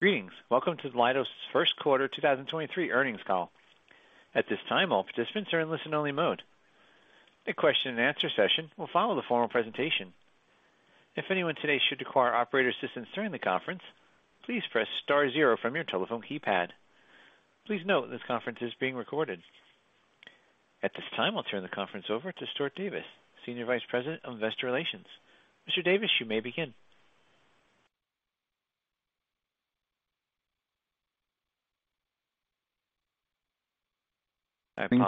Greetings. Welcome to Leidos' Q1 2023 earnings call. At this time, all participants are in listen-only mode. A question-and-answer session will follow the formal presentation. If anyone today should require operator assistance during the conference, please press star zero from your telephone keypad. Please note this conference is being recorded. At this time, I'll turn the conference over to Stuart Davis, Senior Vice President of Investor Relations. Mr. Davis, you may begin. I apologize. Mr. Davis, you may begin.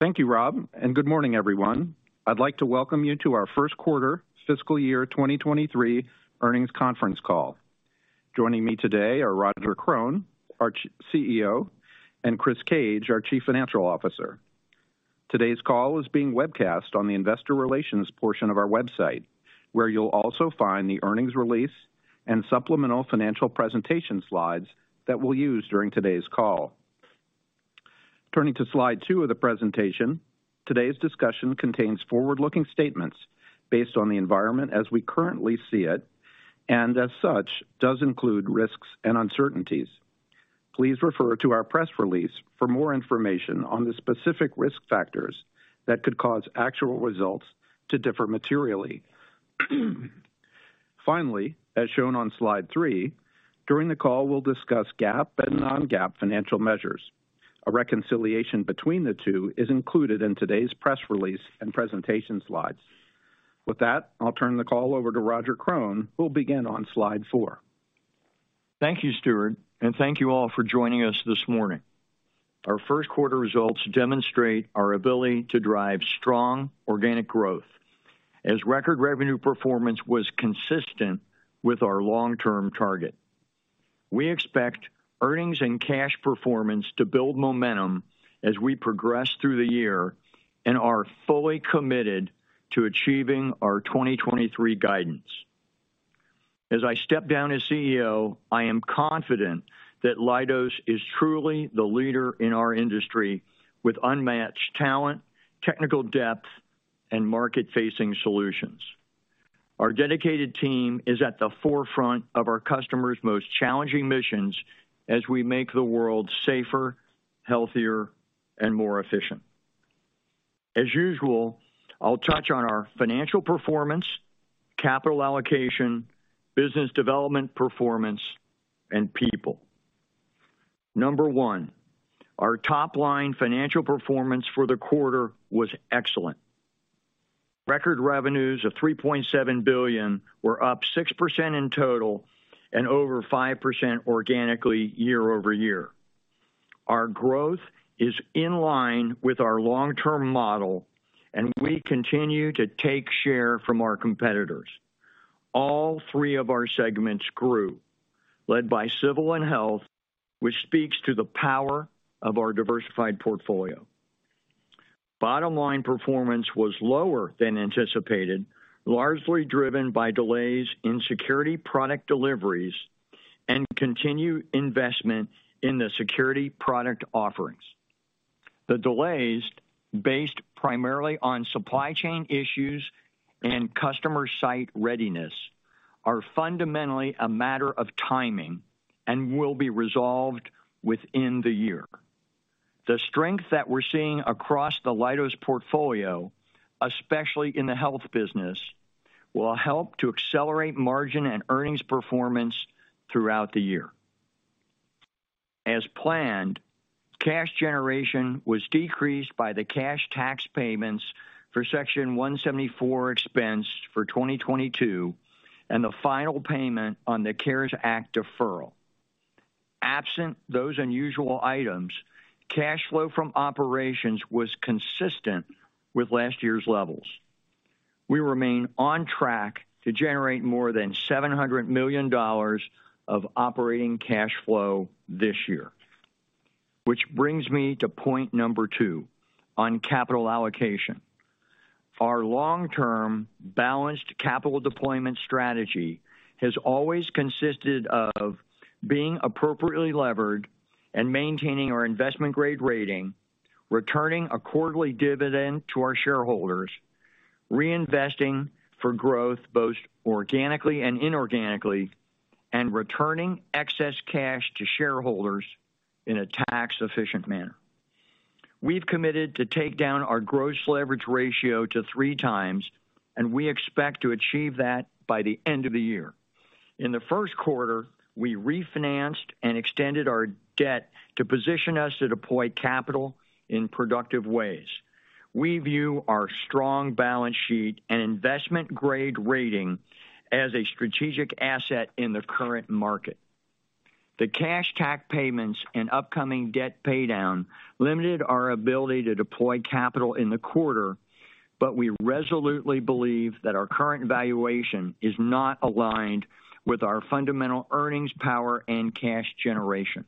Thank you, Rob. Good morning, everyone. I'd like to welcome you to our Q1 fiscal year 2023 earnings conference call. Joining me today are Roger Krone, our CEO, and Chris Cage, our Chief Financial Officer. Today's call is being webcast on the investor relations portion of our website, where you'll also find the earnings release and supplemental financial presentation slides that we'll use during today's call. Turning to slide 2 of the presentation, today's discussion contains forward-looking statements based on the environment as we currently see it, and as such, does include risks and uncertainties. Please refer to our press release for more information on the specific risk factors that could cause actual results to differ materially. Finally, as shown on slide 3, during the call, we'll discuss GAAP and non-GAAP financial measures. A reconciliation between the two is included in today's press release and presentation slides. With that, I'll turn the call over to Roger Krone, who'll begin on slide 4. Thank you, Stuart, and thank you all for joining us this morning. Our Q1 results demonstrate our ability to drive strong organic growth as record revenue performance was consistent with our long-term target. We expect earnings and cash performance to build momentum as we progress through the year and are fully committed to achieving our 2023 guidance. As I step down as CEO, I am confident that Leidos is truly the leader in our industry with unmatched talent, technical depth, and market-facing solutions. Our dedicated team is at the forefront of our customers' most challenging missions as we make the world safer, healthier, and more efficient. As usual, I'll touch on our financial performance, capital allocation, business development performance, and people. Number one, our top-line financial performance for the quarter was excellent. Record revenues of $3.7 billion were up 6% in total and over five percent organically year-over-year. Our growth is in line with our long-term model, and we continue to take share from our competitors. All three of our segments grew, led by Civil and Health, which speaks to the power of our diversified portfolio. Bottom- line performance was lower than anticipated, largely driven by delays in security product deliveries and continued investment in the security product offerings. The delays, based primarily on supply chain issues and customer site readiness, are fundamentally a matter of timing and will be resolved within the year. The strength that we're seeing across the Leidos portfolio, especially in the Health business, will help to accelerate margin and earnings performance throughout the year. As planned, cash generation was decreased by the cash tax payments for Section 174 expense for 2022 and the final payment on the CARES Act deferral. Absent those unusual items, cash flow from operations was consistent with last year's levels. We remain on track to generate more than $700 million of operating cash flow this year. Which brings me to point number two on capital allocation. Our long-term balanced capital deployment strategy has always consisted of being appropriately levered and maintaining our investment-grade rating, returning a quarterly dividend to our shareholders, reinvesting for growth, both organically and inorganically, and returning excess cash to shareholders in a tax-efficient manner. We've committed to take down our gross leverage ratio to three times, and we expect to achieve that by the end of the year. In the Q1, we refinanced and extended our debt to position us to deploy capital in productive ways. We view our strong balance sheet and investment-grade rating as a strategic asset in the current market. The cash tax payments and upcoming debt paydown limited our ability to deploy capital in the quarter, we resolutely believe that our current valuation is not aligned with our fundamental earnings power and cash generation.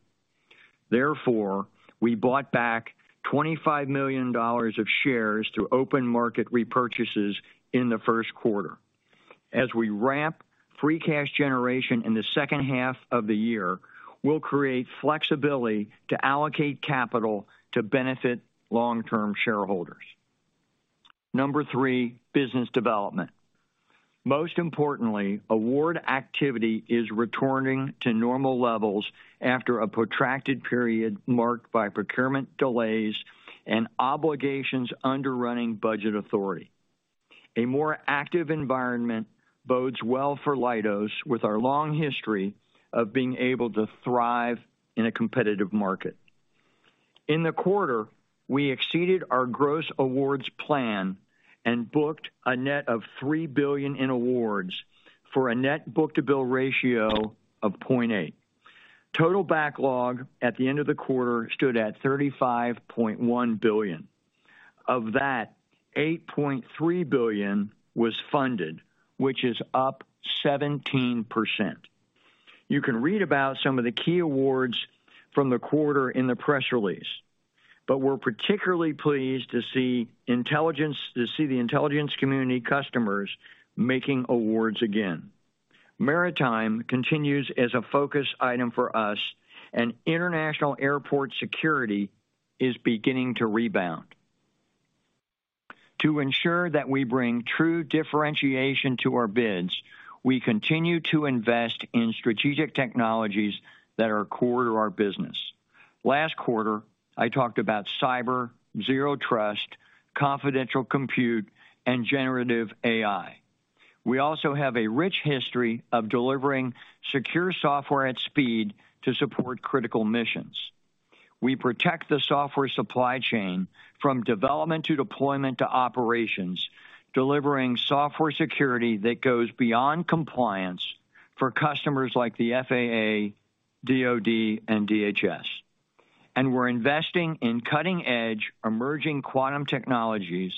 Therefore, we bought back $25 million of shares through open market repurchases in the Q1. As we ramp free cash generation in the second half of the year, we'll create flexibility to allocate capital to benefit long-term shareholders. Number three, business development. Most importantly, award activity is returning to normal levels after a protracted period marked by procurement delays and obligations under running budget authority. A more active environment bodes well for Leidos, with our long history of being able to thrive in a competitive market. In the quarter, we exceeded our gross awards plan and booked a net of $3 billion in awards for a net book-to-bill ratio of 0.8. Total backlog at the end of the quarter stood at $35.1 billion. Of that, $8.3 billion was funded, which is up 17%. You can read about some of the key awards from the quarter in the press release. We're particularly pleased to see the intelligence community customers making awards again. Maritime continues as a focus item for us. International airport security is beginning to rebound. To ensure that we bring true differentiation to our bids, we continue to invest in strategic technologies that are core to our business. Last quarter, I talked about cyber, zero trust, confidential compute, and generative AI. We also have a rich history of delivering secure software at speed to support critical missions. We protect the software supply chain from development to deployment to operations, delivering software security that goes beyond compliance for customers like the FAA, DoD, and DHS. We're investing in cutting-edge emerging quantum technologies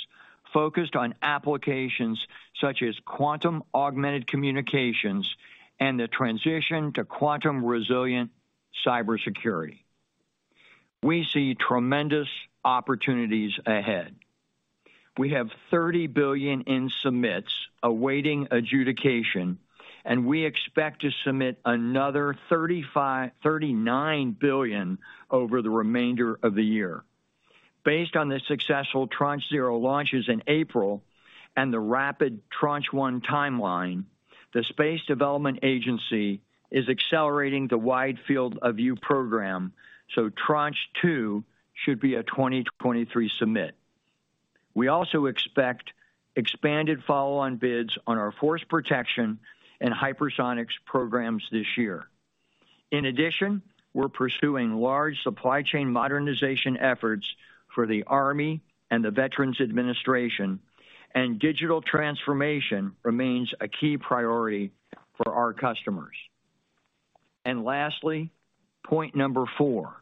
focused on applications such as quantum-augmented communications and the transition to quantum-resilient cybersecurity. We see tremendous opportunities ahead. We have $30 billion in submissio awaiting adjudication, and we expect to submit another $39 billion over the remainder of the year. Based on the successful Tranche Zero launches in April and the rapid Tranche One timeline, the Space Development Agency is accelerating the Wide Field of View program, Tranche Two should be a 2023 submission. We also expect expanded follow-on bids on our force protection and hypersonics programs this year. We're pursuing large supply chain modernization efforts for the Army and the Veterans Administration. Digital transformation remains a key priority for our customers. Lastly, point number 4,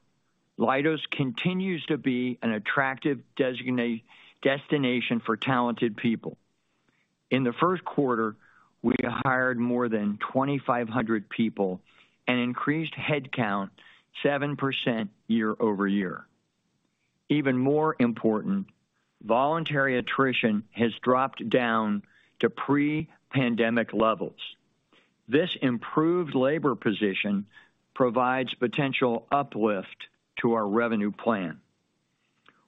Leidos continues to be an attractive destination for talented people. In the Q1, we hired more than 2,500 people and increased headcount 7% year-over-year. Even more important, voluntary attrition has dropped down to pre-pandemic levels. This improved labor position provides potential uplift to our revenue plan.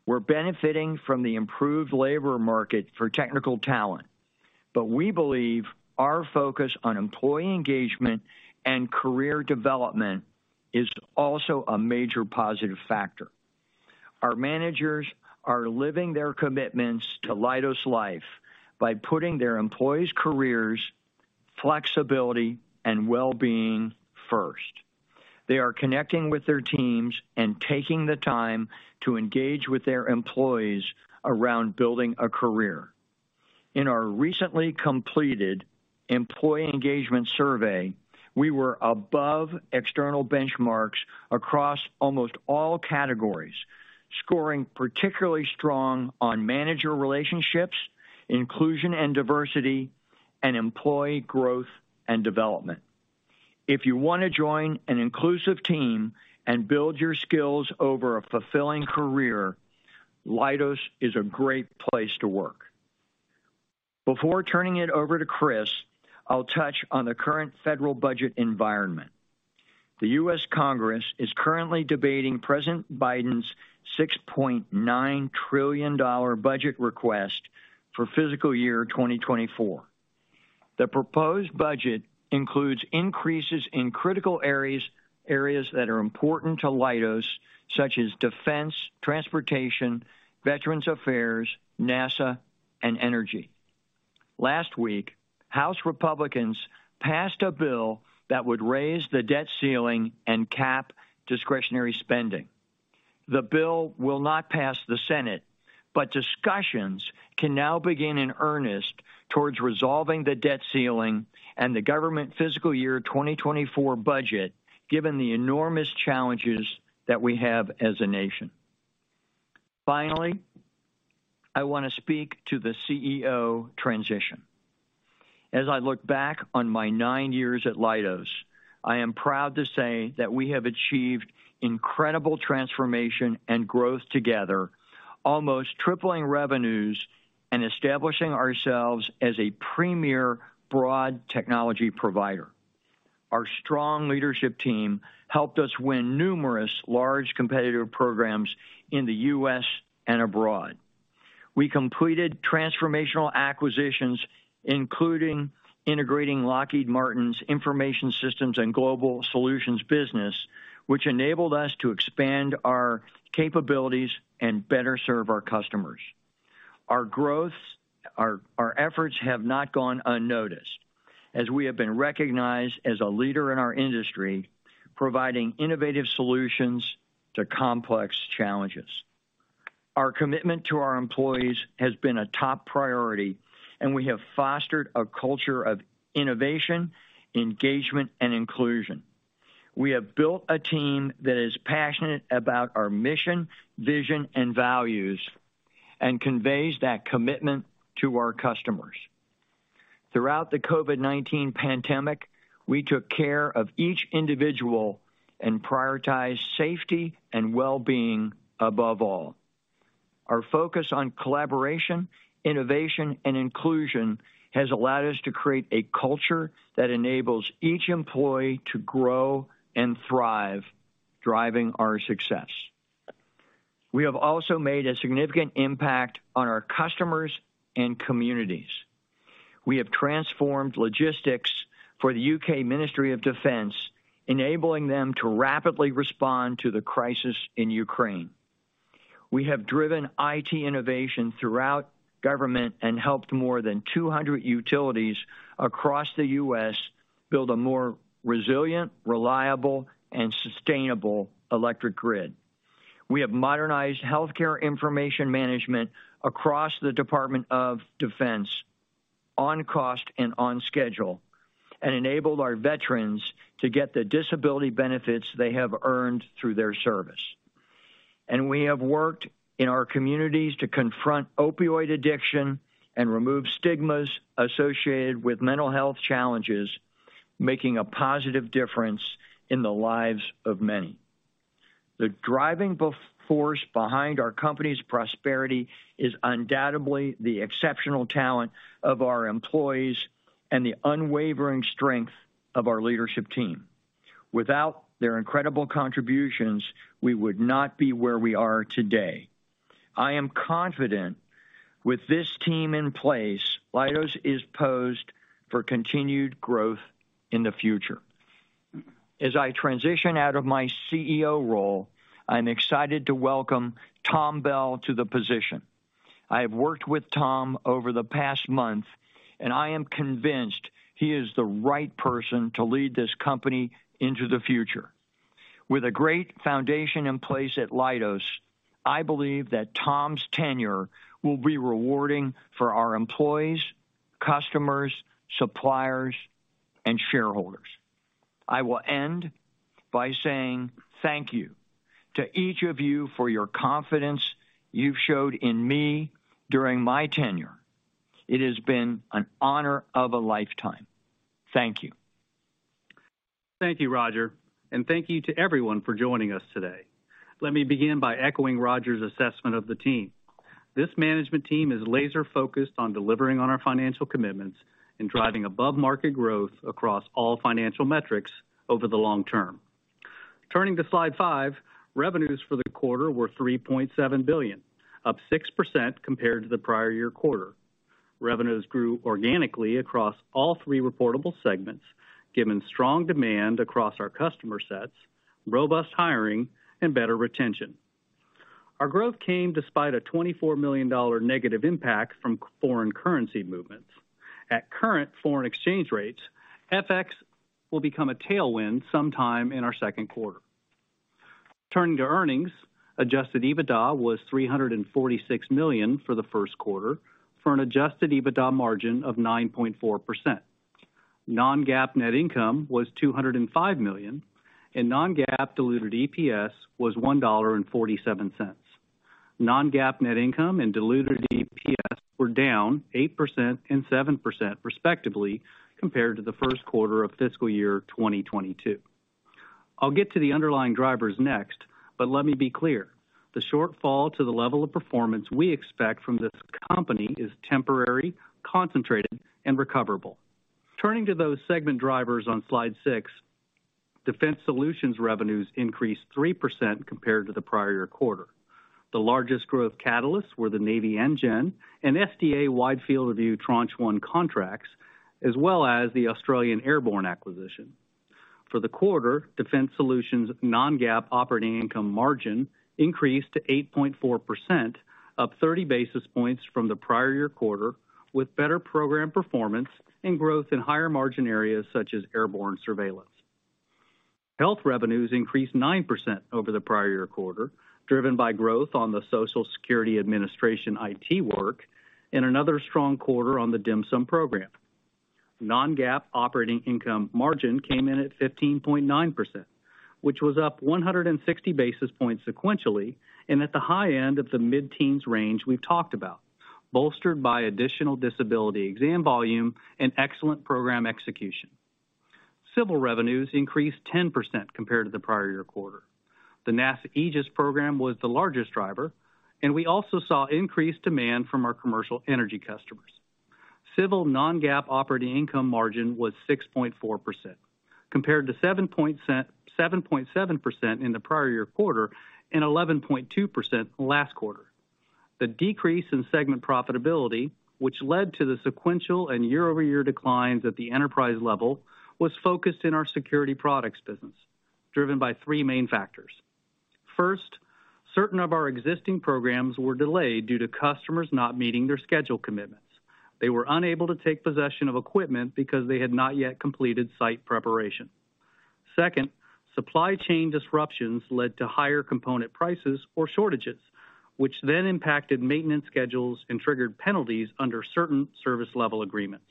We're benefiting from the improved labor market for technical talent, but we believe our focus on employee engagement and career development is also a major positive factor. Our managers are living their commitments to Leidos Life by putting their employees' careers, flexibility, and well-being first. They are connecting with their teams and taking the time to engage with their employees around building a career. In our recently completed employee engagement survey, we were above external benchmarks across almost all categories, scoring particularly strong on manager relationships, inclusion and diversity, and employee growth and development. If you wanna join an inclusive team and build your skills over a fulfilling career, Leidos is a great place to work. Before turning it over to Chris, I'll touch on the current federal budget environment. The US Congress is currently debating President Biden's $6.9 trillion budget request for fiscal year 2024. The proposed budget includes increases in critical areas that are important to Leidos, such as defense, transportation, Veterans Affairs, NASA, and energy. Last week, House Republicans passed a bill that would raise the debt ceiling and cap discretionary spending. The bill will not pass the Senate, but discussions can now begin in earnest towards resolving the debt ceiling and the government fiscal year 2024 budget, given the enormous challenges that we have as a nation. Finally, I wanna speak to the CEO transition. As I look back on my nine years at Leidos, I am proud to say that we have achieved incredible transformation and growth together, almost tripling revenues and establishing ourselves as a premier broad technology provider. Our strong leadership team helped us win numerous large competitive programs in the US and abroad. We completed transformational acquisitions, including integrating Lockheed Martin's Information Systems and Global Solutions business, which enabled us to expand our capabilities and better serve our customers. Our efforts have not gone unnoticed as we have been recognized as a leader in our industry, providing innovative solutions to complex challenges. Our commitment to our employees has been a top priority, and we have fostered a culture of innovation, engagement, and inclusion. We have built a team that is passionate about our mission, vision, and values and conveys that commitment to our customers. Throughout the COVID-19 pandemic, we took care of each individual and prioritized safety and well-being above all. Our focus on collaboration, innovation, and inclusion has allowed us to create a culture that enables each employee to grow and thrive, driving our success. We have also made a significant impact on our customers and communities. We have transformed logistics for the UK Ministry of Defence, enabling them to rapidly respond to the crisis in Ukraine. We have driven IT innovation throughout government and helped more than 200 utilities across the US build a more resilient, reliable, and sustainable electric grid. We have modernized healthcare information management across the Department of Defense on cost and on schedule, enabled our veterans to get the disability benefits they have earned through their service. We have worked in our communities to confront opioid addiction and remove stigmas associated with mental health challenges, making a positive difference in the lives of many. The driving force behind our company's prosperity is undoubtedly the exceptional talent of our employees and the unwavering strength of our leadership team. Without their incredible contributions, we would not be where we are today. I am confident with this team in place, Leidos is poised for continued growth in the future. As I transition out of my CEO role, I'm excited to welcome Tom Bell to the position. I have worked with Tom over the past month, and I am convinced he is the right person to lead this company into the future. With a great foundation in place at Leidos, I believe that Tom's tenure will be rewarding for our employees, customers, suppliers, and shareholders. I will end by saying thank you to each of you for your confidence you've showed in me during my tenure. It has been an honor of a lifetime. Thank you. Thank you, Roger, and thank you to everyone for joining us today. Let me begin by echoing Roger's assessment of the team. This management team is laser-focused on delivering on our financial commitments and driving above-market growth across all financial metrics over the long term. Turning to slide five, revenues for the quarter were $3.7 billion, up 6% compared to the prior year quarter. Revenues grew organically across all three reportable segments, given strong demand across our customer sets, robust hiring, and better retention. Our growth came despite a $24 million negative impact from foreign currency movements. At current foreign exchange rates, FX will become a tailwind sometime in our Q2. Turning to earnings, adjusted EBITDA was $346 million for the Q1 for an adjusted EBITDA margin of 9.4%. Non-GAAP net income was $205 million, and non-GAAP diluted EPS was $1.47. Non-GAAP net income and diluted EPS were down 8% and 7% respectively, compared to the Q1 of fiscal year 2022. I'll get to the underlying drivers next, but let me be clear. The shortfall to the level of performance we expect from this company is temporary, concentrated, and recoverable. Turning to those segment drivers on slide 6, Defense Solutions revenues increased 3% compared to the prior year quarter. The largest growth catalysts were the Navy NGEN-R and SDA Wide Field of View Tranche 1 contracts, as well as the Australian airborne acquisition. For the quarter, Defense Solutions non-GAAP operating income margin increased to 8.4%, up 30 basis points from the prior year quarter, with better program performance and growth in higher margin areas such as airborne surveillance. Health revenues increased 9% over the prior year quarter, driven by growth on the Social Security Administration IT work and another strong quarter on the DHMSM program. Non-GAAP operating income margin came in at 15.9%, which was up 160 basis points sequentially and at the high end of the mid-teens range we've talked about, bolstered by additional disability exam volume and excellent program execution. Civil revenues increased 10% compared to the prior year quarter. The NASA AEGIS program was the largest driver, we also saw increased demand from our commercial energy customers. Civil non-GAAP operating income margin was 6.4% compared to 7.7% in the prior year quarter and 11.2% last quarter. The decrease in segment profitability, which led to the sequential and year-over-year declines at the enterprise level, was focused in our security products business, driven by three main factors. First, certain of our existing programs were delayed due to customers not meeting their schedule commitments. They were unable to take possession of equipment because they had not yet completed site preparation. Second, supply chain disruptions led to higher component prices or shortages, which then impacted maintenance schedules and triggered penalties under certain service level agreements.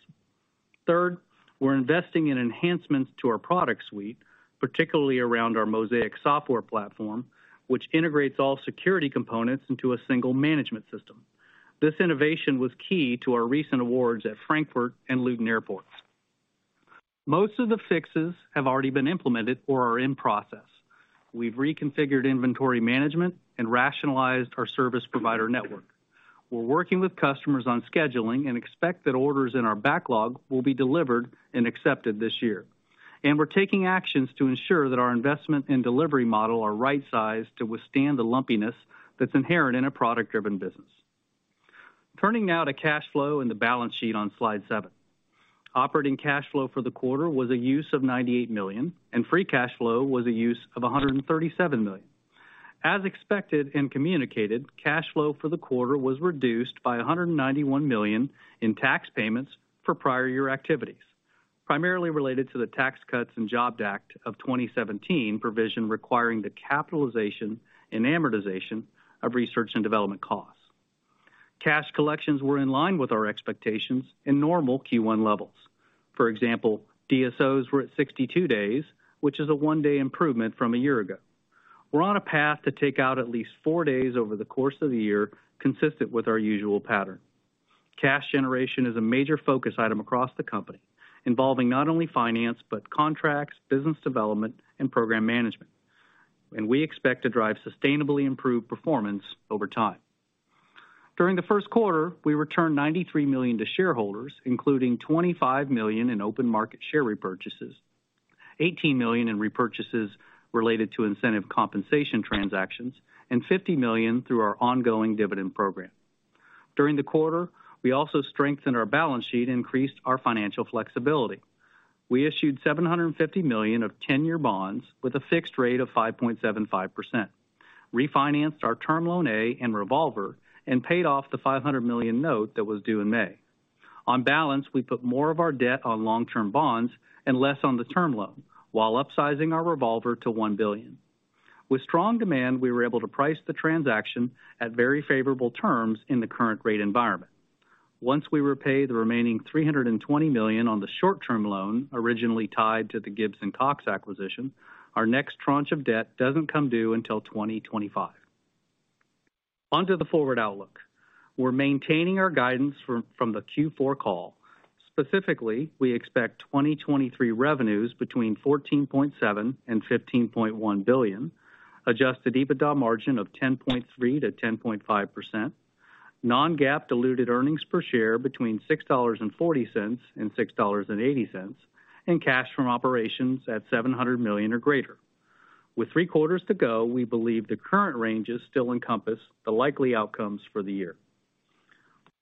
Third, we're investing in enhancements to our product suite, particularly around our Mosaic software platform, which integrates all security components into a single management system. This innovation was key to our recent awards at Frankfurt and Luton Airports. Most of the fixes have already been implemented or are in process. We've reconfigured inventory management and rationalized our service provider network. We're working with customers on scheduling and expect that orders in our backlog will be delivered and accepted this year. We're taking actions to ensure that our investment and delivery model are right-sized to withstand the lumpiness that's inherent in a product-driven business. Turning now to cash flow and the balance sheet on slide 7. Operating cash flow for the quarter was a use of $98 million, and free cash flow was a use of $137 million. As expected and communicated, cash flow for the quarter was reduced by $191 million in tax payments for prior year activities, primarily related to the Tax Cuts and Jobs Act of 2017 provision requiring the capitalization and amortization of research and development costs. Cash collections were in line with our expectations in normal Q1 levels. For example, DSOs were at 62 days, which is a 1-day improvement from a year ago. We're on a path to take out at least 4 days over the course of the year, consistent with our usual pattern. Cash generation is a major focus item across the company, involving not only finance, but contracts, business development, and program management. We expect to drive sustainably improved performance over time. During the Q1, we returned $93 million to shareholders, including $25 million in open market share repurchases, $18 million in repurchases related to incentive compensation transactions, and $50 million through our ongoing dividend program. During the quarter, we also strengthened our balance sheet, increased our financial flexibility. We issued $750 million of 10-year bonds with a fixed rate of 5.75%, refinanced our Term Loan A and revolver, and paid off the $500 million note that was due in May. On balance, we put more of our debt on long-term bonds and less on the term loan while upsizing our revolver to $1 billion. With strong demand, we were able to price the transaction at very favorable terms in the current rate environment. Once we repay the remaining $320 million on the short-term loan, originally tied to the Gibbs & Cox acquisition, our next tranche of debt doesn't come due until 2025. Onto the forward outlook. We're maintaining our guidance from the Q4 call. Specifically, we expect 2023 revenues between $14.7 billion and $15.1 billion, adjusted EBITDA margin of 10.3%-10.5%, non-GAAP diluted earnings per share between $6.40 and $6.80, and cash from operations at $700 million or greater. With three quarters to go, we believe the current ranges still encompass the likely outcomes for the year.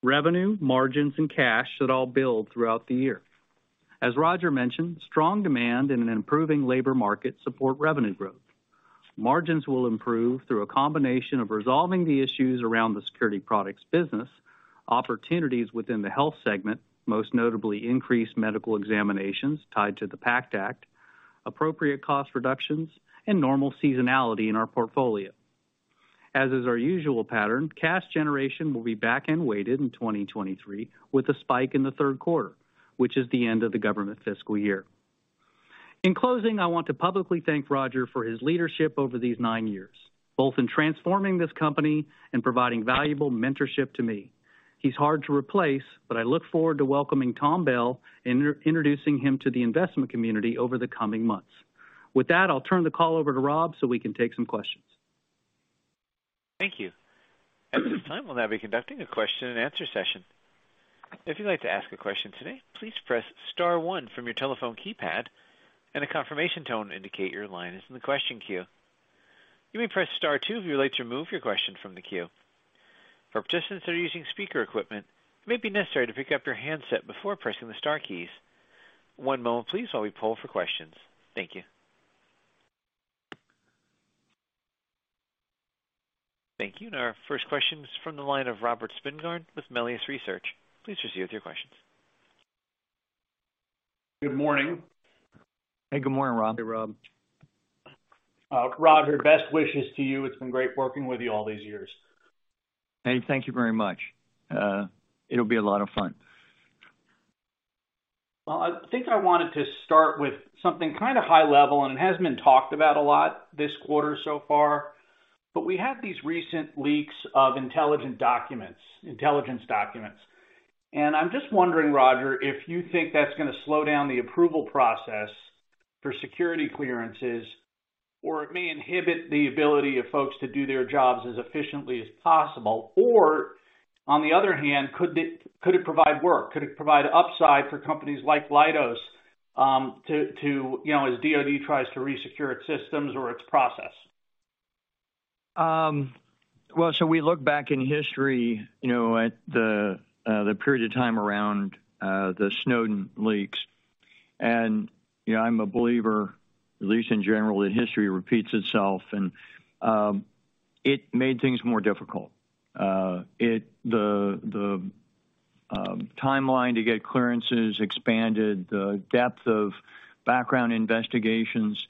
Revenue, margins, and cash should all build throughout the year. As Roger mentioned, strong demand in an improving labor market support revenue growth. Margins will improve through a combination of resolving the issues around the security products business, opportunities within the health segment, most notably increased medical examinations tied to the PACT Act, appropriate cost reductions, and normal seasonality in our portfolio. As is our usual pattern, cash generation will be back- end weighted in 2023 with a spike in the Q3, which is the end of the government fiscal year. In closing, I want to publicly thank Roger for his leadership over these nine years, both in transforming this company and providing valuable mentorship to me. He's hard to replace, I look forward to welcoming Tom Bell and introducing him to the investment community over the coming months. With that, I'll turn the call over to Rob we can take some questions. Thank you. At this time, we'll now be conducting a question-and-answer session. If you'd like to ask a question today, please press star one from your telephone keypad and a confirmation tone indicate your line is in the question queue. You may press star two if you would like to remove your question from the queue. For participants that are using speaker equipment, it may be necessary to pick up your handset before pressing the star keys. One moment please while we poll for questions. Thank you. Thank you. Our first question is from the line of Robert Spingarn with Melius Research. Please proceed with your questions. Good morning. Hey, good morning, Rob. Hey, Rob. Roger, best wishes to you. It's been great working with you all these years. Hey, thank you very much. It'll be a lot of fun. Well, I think I wanted to start with something kind of high-level, and it hasn't been talked about a lot this quarter so far. We had these recent leaks of intelligence documents. I'm just wondering, Roger, if you think that's gonna slow down the approval process for security clearances or it may inhibit the ability of folks to do their jobs as efficiently as possible. Or on the other hand, could it provide work? Could it provide upside for companies like Leidos, to, you know, as DoD tries to re-secure its systems or its process? Well, we look back in history, you know, at the period of time around the Snowden leaks. You know, I'm a believer, at least in general, that history repeats itself, and it made things more difficult. The timeline to get clearances expanded, the depth of background investigations,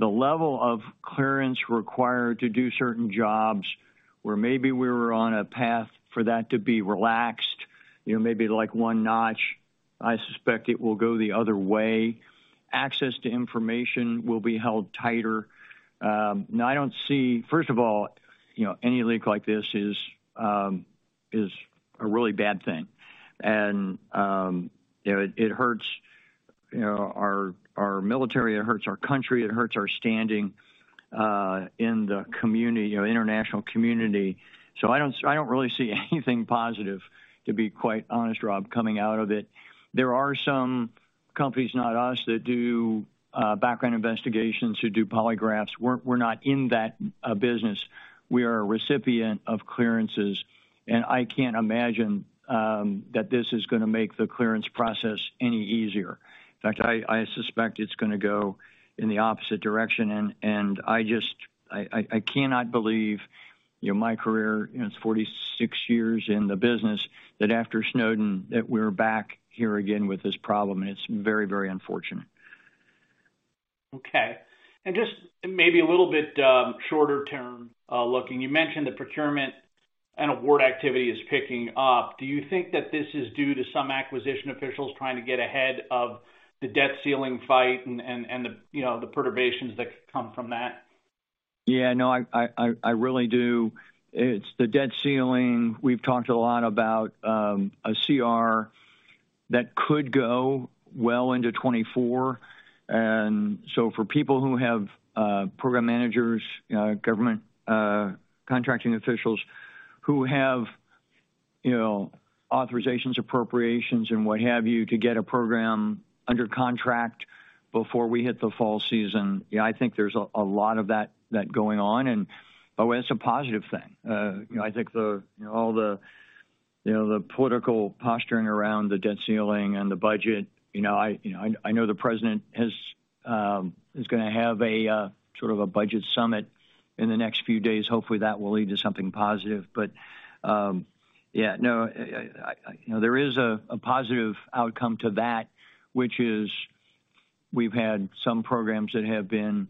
the level of clearance required to do certain jobs, where maybe we were on a path for that to be relaxed, you know, maybe like one notch. I suspect it will go the other way. Access to information will be held tighter. First of all, you know, any leak like this is a really bad thing. You know, it hurts, you know, our military, it hurts our country, it hurts our standing in the community, you know, international community. I don't really see anything positive, to be quite honest, Rob, coming out of it. There are some companies, not us, that do background investigations, who do polygraphs. We're not in that business. We are a recipient of clearances, and I can't imagine that this is gonna make the clearance process any easier. In fact, I suspect it's gonna go in the opposite direction. I just I cannot believe, you know, my career, you know, it's 46 years in the business, that after Snowden that we're back here again with this problem. It's very, very unfortunate. Okay. Just maybe a little bit, shorter term, looking, you mentioned the procurement and award activity is picking up. Do you think that this is due to some acquisition officials trying to get ahead of the debt ceiling fight and the, you know, the perturbations that could come from that? Yeah, no, I really do. It's the debt ceiling. We've talked a lot about a CR that could go well into 2024. For people who have program managers, government, contracting officials who have, you know, authorizations, appropriations, and what have you, to get a program under contract before we hit the fall season. Yeah, I think there's a lot of that going on. Well, it's a positive thing. You know, I think the, you know, all the, you know, the political posturing around the debt ceiling and the budget, you know, I, you know, I know the President has is gonna have a sort of a budget summit in the next few days. Hopefully, that will lead to something positive. Yeah, no, I, you know, there is a positive outcome to that, which is we've had some programs that have been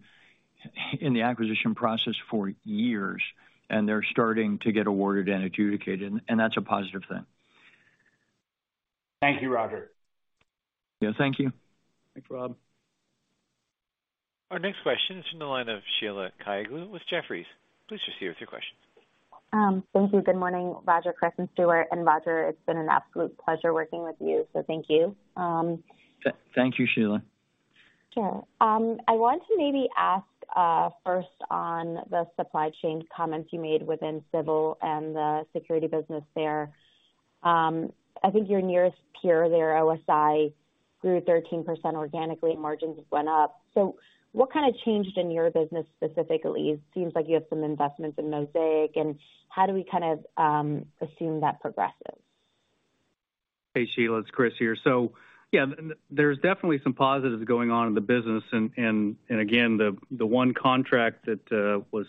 in the acquisition process for years, and they're starting to get awarded and adjudicated, and that's a positive thing. Thank you, Roger. Yeah, thank you. Thanks, Rob. Our next question is from the line of Sheila Kahyaoglu with Jefferies. Please proceed with your question. thank you. Good morning, Roger, Chris, and Stuart. Roger, it's been an absolute pleasure working with you, so thank you. Thank you, Sheila. Sure. I want to maybe ask, first on the supply chain comments you made within Civil and the security business there. I think your nearest peer there, OSI, grew 13% organically and margins went up. What kind of changed in your business specifically? It seems like you have some investments in Mosaic, and how do we kind of, assume that progresses? Hey, Sheila, it's Chris here. Yeah, there's definitely some positives going on in the business. And again, the one contract that was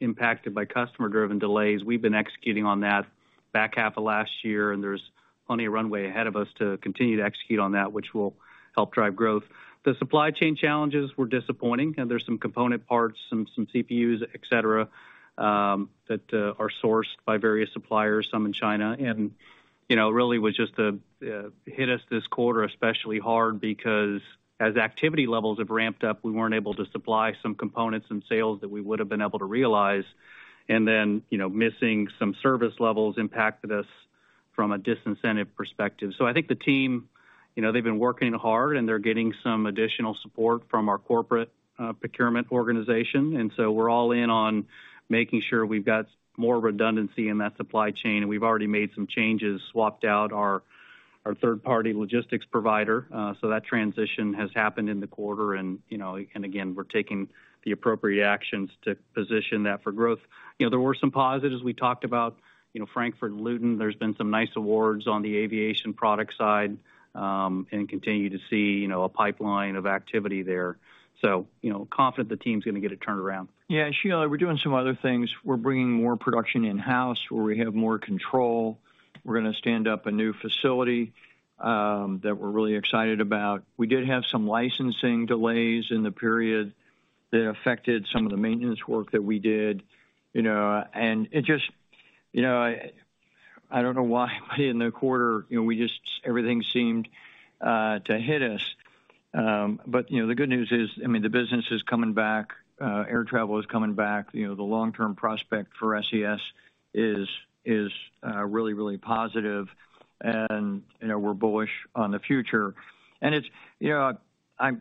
impacted by customer-driven delays, we've been executing on that back half of last year, and there's plenty of runway ahead of us to continue to execute on that, which will help drive growth. The supply chain challenges were disappointing, and there's some component parts, some CPUs, et cetera, that are sourced by various suppliers, some in China. You know, really was just hit us this quarter especially hard because as activity levels have ramped up, we weren't able to supply some components and sales that we would've been able to realize. You know, missing some service levels impacted us from a disincentive perspective. I think the team, you know, they've been working hard, and they're getting some additional support from our corporate procurement organization. We're all in on making sure we've got more redundancy in that supply chain. We've already made some changes, swapped out our third-party logistics provider. That transition has happened in the quarter. You know, and again, we're taking the appropriate actions to position that for growth. You know, there were some positives. We talked about, you know, Frankfurt and Luton. There's been some nice awards on the aviation product side, and continue to see, you know, a pipeline of activity there. Confident the team's gonna get it turned around. Yeah, Sheila, we're doing some other things. We're bringing more production in-house where we have more control. We're gonna stand up a new facility, that we're really excited about. We did have some licensing delays in the period that affected some of the maintenance work that we did, you know. It just. You know, I don't know why in the quarter, you know, everything seemed to hit us. You know, the good news is, I mean, the business is coming back, air travel is coming back. You know, the long-term prospect for SES is really, really positive. You know, we're bullish on the future. It's. You know, I, you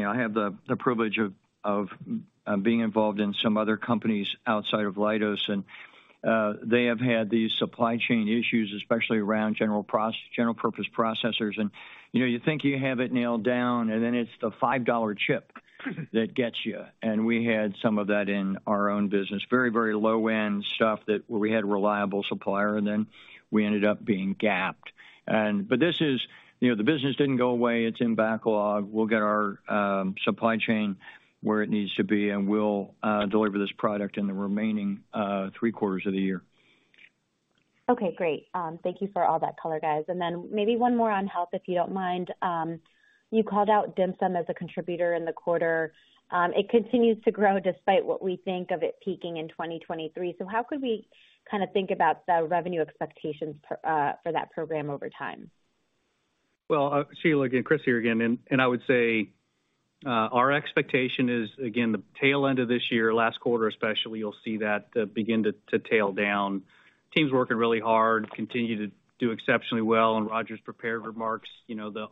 know, I have the privilege of being involved in some other companies outside of Leidos, and they have had these supply chain issues, especially around general-purpose processors. You know, you think you have it nailed down, then it's the $5 chip that gets you. We had some of that in our own business. Very, very low-end stuff that we had a reliable supplier, and then we ended up being gapped. You know, the business didn't go away, it's in backlog. We'll get our supply chain where it needs to be, and we'll deliver this product in the remaining 3 quarters of the year. Okay, great. Thank you for all that color, guys. Maybe one more on health, if you don't mind. You called out DHMSM as a contributor in the quarter. It continues to grow despite what we think of it peaking in 2023. How could we kinda think about the revenue expectations for that program over time? Well, Sheila, again, Chris here again. I would say, our expectation is, again, the tail end of this year, last quarter especially, you'll see that begin to tail down. Team's working really hard, continue to do exceptionally well, and Roger's prepared remarks, you know, the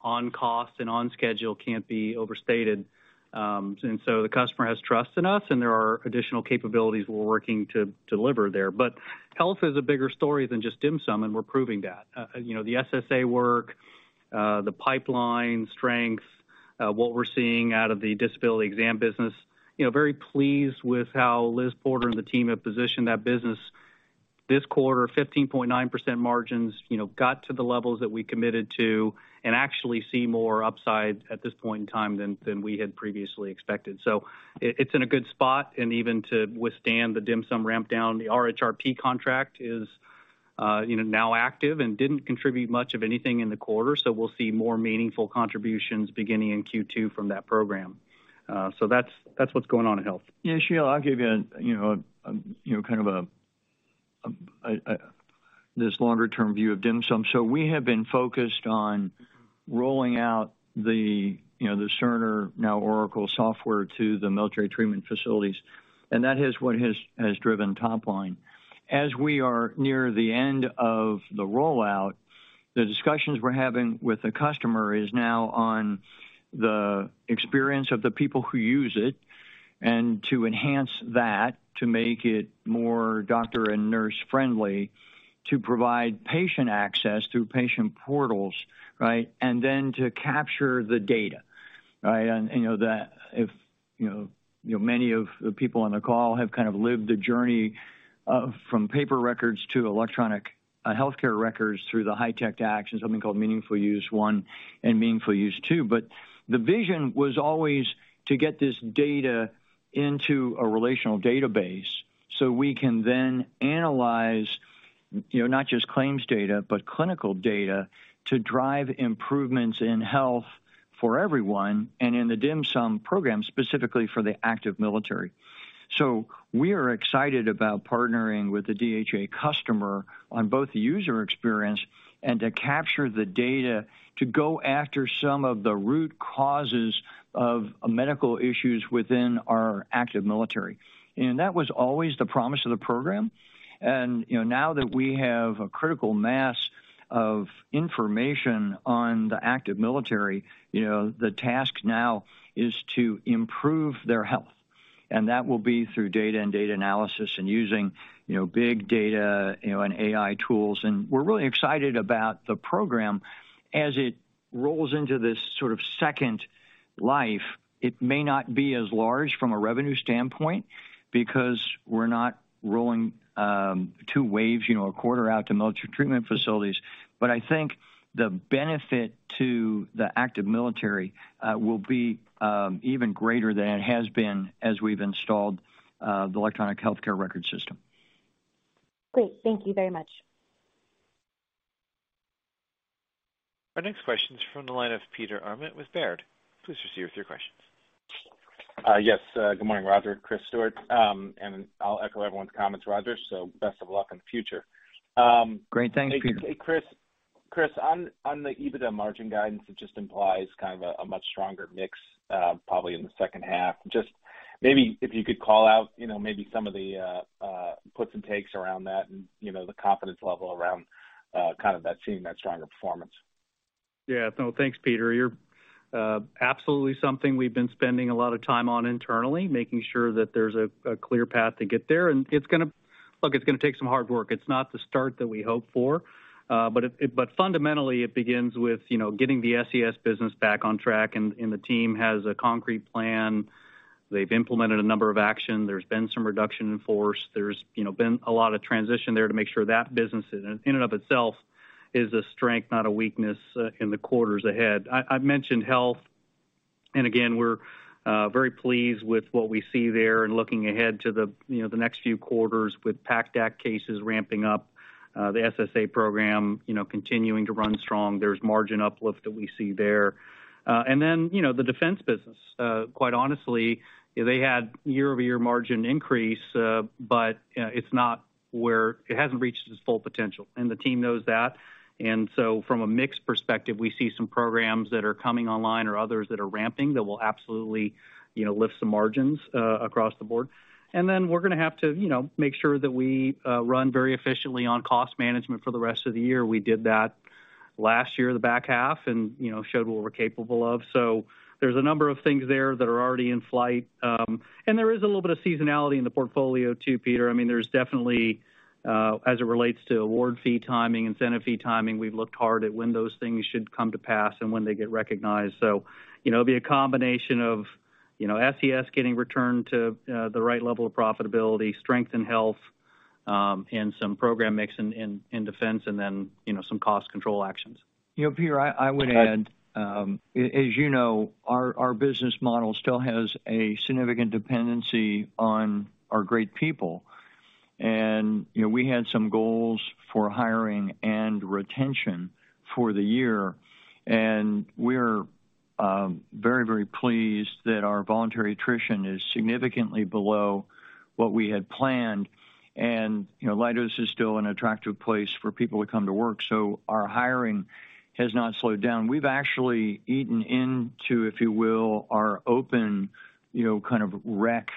on-cost and on-schedule can't be overstated. The customer has trust in us, and there are additional capabilities we're working to deliver there. Health is a bigger story than just DHMSM, and we're proving that. You know, the SSA work, the pipeline strength, what we're seeing out of the disability exam business, you know, very pleased with how Liz Porter and the team have positioned that business. This quarter, 15.9% margins, you know, got to the levels that we committed to, and actually see more upside at this point in time than we had previously expected. It's in a good spot, and even to withstand the DHMSM ramp down, the RHRP contract is, you know, now active and didn't contribute much of anything in the quarter. We'll see more meaningful contributions beginning in Q2 from that program. That's what's going on in health. Yeah, Sheila, I'll give you know, kind of a longer term view of DHMSM. We have been focused on rolling out the, you know, the Cerner, now Oracle software to the military treatment facilities, and that is what has driven top line. As we are near the end of the rollout, the discussions we're having with the customer is now on the experience of the people who use it, and to enhance that, to make it more doctor and nurse- friendly, to provide patient access through patient portals, right? To capture the data, right? You know that if, you know, many of the people on the call have kind of lived the journey from paper records to electronic healthcare records through the HITECH Act and something called Meaningful Use 1 and Meaningful Use 2. The vision was always to get this data into a relational database so we can then analyze, you know, not just claims data, but clinical data to drive improvements in health for everyone, and in the DHMSM program, specifically for the active military. We are excited about partnering with the DHA customer on both the user experience and to capture the data to go after some of the root causes of medical issues within our active military. That was always the promise of the program. You know, now that we have a critical mass of information on the active military, you know, the task now is to improve their health, and that will be through data and data analysis and using, you know, big data, you know, and AI tools. We're really excited about the program as it rolls into this sort of second life. It may not be as large from a revenue standpoint because we're not rolling, 2 waves, you know, a quarter out to military treatment facilities. I think the benefit to the active military will be even greater than it has been as we've installed the electronic healthcare record system. Great. Thank you very much. Our next question is from the line of Peter Arment with Baird. Please proceed with your questions. Yes, good morning, Roger, Chris Stuart. I'll echo everyone's comments, Roger. Best of luck in the future. Great. Thanks, Peter. Hey, Chris, on the EBITDA margin guidance, it just implies kind of a much stronger mix, probably in the second half. Just maybe if you could call out, you know, maybe some of the puts and takes around that and, you know, the confidence level around kind of that seeing that stronger performance. Yeah. No, thanks, Peter. You're absolutely something we've been spending a lot of time on internally, making sure that there's a clear path to get there. Look, it's gonna take some hard work. It's not the start that we hope for, but fundamentally, it begins with, you know, getting the SES business back on track. The team has a concrete plan. They've implemented a number of action. There's been some reduction in force. There's, you know, been a lot of transition there to make sure that business in and of itself is a strength, not a weakness in the quarters ahead. I've mentioned health, again, we're very pleased with what we see there and looking ahead to the, you know, next few quarters with PACT Act cases ramping up, the SSA program, you know, continuing to run strong. There's margin uplift that we see there. Then, you know, the defense business. Quite honestly, they had year-over-year margin increase, but it hasn't reached its full potential, and the team knows that. So from a mix perspective, we see some programs that are coming online or others that are ramping that will absolutely, you know, lift some margins across the board. Then we're gonna have to, you know, make sure that we run very efficiently on cost management for the rest of the year. We did that last year, the back half, and, you know, showed what we're capable of. There's a number of things there that are already in flight. There is a little bit of seasonality in the portfolio too, Peter. I mean, there's definitely, as it relates to award fee timing, incentive fee timing, we've looked hard at when those things should come to pass and when they get recognized. You know, it'll be a combination of, you know, SES getting returned to, the right level of profitability, strength, and health, and some program mix in defense, and then, you know, some cost control actions. You know, Peter, I would add. Go ahead. As you know, our business model still has a significant dependency on our great people. You know, we had some goals for hiring and retention for the year, and we're very, very pleased that our voluntary attrition is significantly below what we had planned. You know, Leidos is still an attractive place for people to come to work, so our hiring has not slowed down. We've actually eaten into, if you will, our open, you know, kind of wreck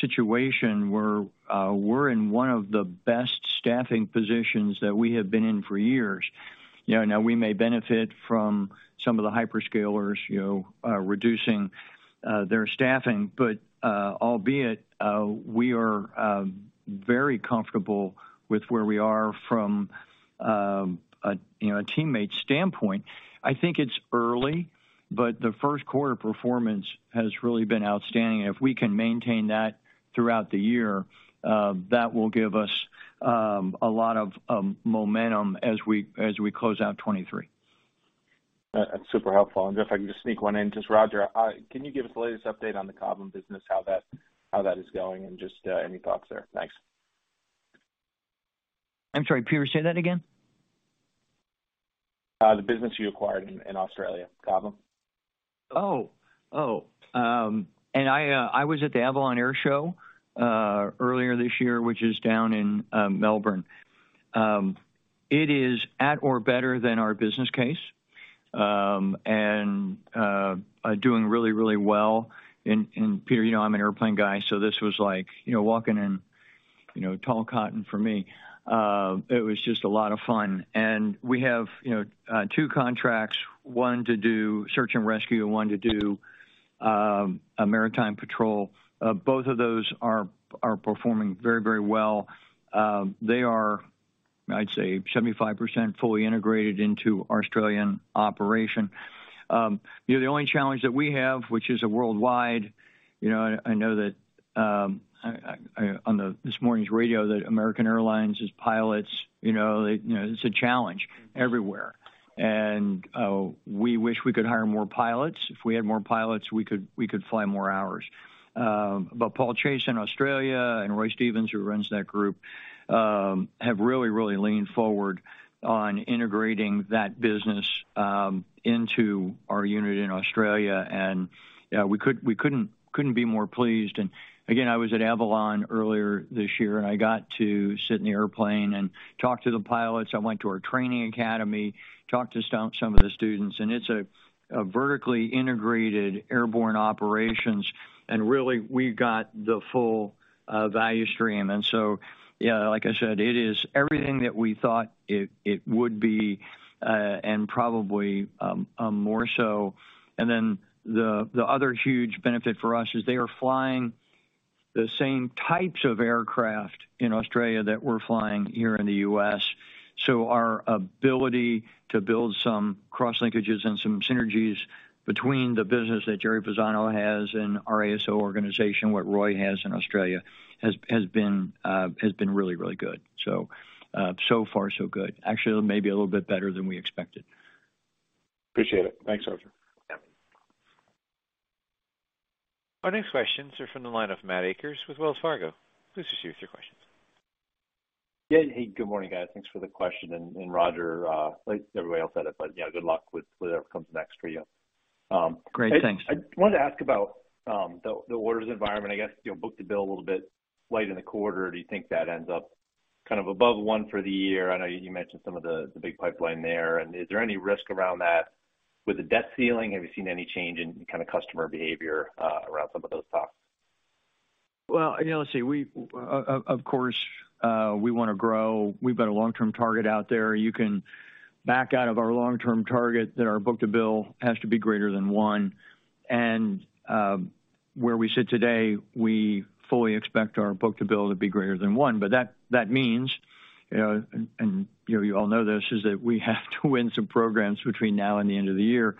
situation where we're in one of the best staffing positions that we have been in for years. You know, now we may benefit from some of the hyperscalers, you know, reducing their staffing, but albeit, we are very comfortable with where we are from a, you know, a teammate standpoint. I think it's early, but the Q1 performance has really been outstanding. If we can maintain that throughout the year, that will give us a lot of momentum as we close out 2023. That's super helpful. Jeff, if I can just sneak one in. Roger, can you give us the latest update on the Cobham business, how that is going, and just any thoughts there? Thanks. I'm sorry, Peter, say that again? The business you acquired in Australia, Cobham. Oh. Oh. I was at the Avalon Air Show earlier this year, which is down in Melbourne. It is at or better than our business case, and doing really, really well. Peter, you know, I'm an airplane guy, so this was like, you know, walking in, you know, tall cotton for me. It was just a lot of fun. We have, you know, two contracts, one to do search and rescue and one to do a maritime patrol. Both of those are performing very, very well. They are, I'd say 75% fully integrated into Australian operation. You know, the only challenge that we have, which is a worldwide, you know, I know that this morning's radio, that American Airlines' pilots, you know, they, you know, it's a challenge everywhere. We wish we could hire more pilots. If we had more pilots, we could fly more hours. Paul Chase in Australia and Roy Stevens, who runs that group, have really leaned forward on integrating that business into our unit in Australia. We couldn't be more pleased. Again, I was at Avalon earlier this year, and I got to sit in the airplane and talk to the pilots. I went to our training academy, talked to some of the students, and it's a vertically integrated airborne operations. Really we've got the full value stream. Yeah, like I said, it is everything that we thought it would be and probably more so. The other huge benefit for us is they are flying the same types of aircraft in Australia that we're flying here in the US. Our ability to build some cross-linkages and some synergies between the business that Gerry Fasano has and our ASO organization, what Roy has in Australia, has been really, really good. So far so good. Actually, maybe a little bit better than we expected. Appreciate it. Thanks, Roger. Yeah. Our next questions are from the line of Matt Akers with Wells Fargo. Please proceed with your questions. Yeah. Hey, good morning, guys. Thanks for the question. Roger, like everybody else said it, yeah, good luck with whatever comes next for you. Great, thanks. I wanted to ask about the orders environment, I guess. You know, book-to-bill a little bit late in the quarter. Do you think that ends up kind of above one for the year? I know you mentioned some of the big pipeline there. Is there any risk around that with the debt ceiling? Have you seen any change in kind of customer behavior around some of those talks? Well, you know, let's see. Of course, we wanna grow. We've got a long-term target out there. You can back out of our long-term target that our book-to-bill has to be greater than one. Where we sit today, we fully expect our book-to-bill to be greater than one. That means, and, you know, you all know this, is that we have to win some programs between now and the end of the year.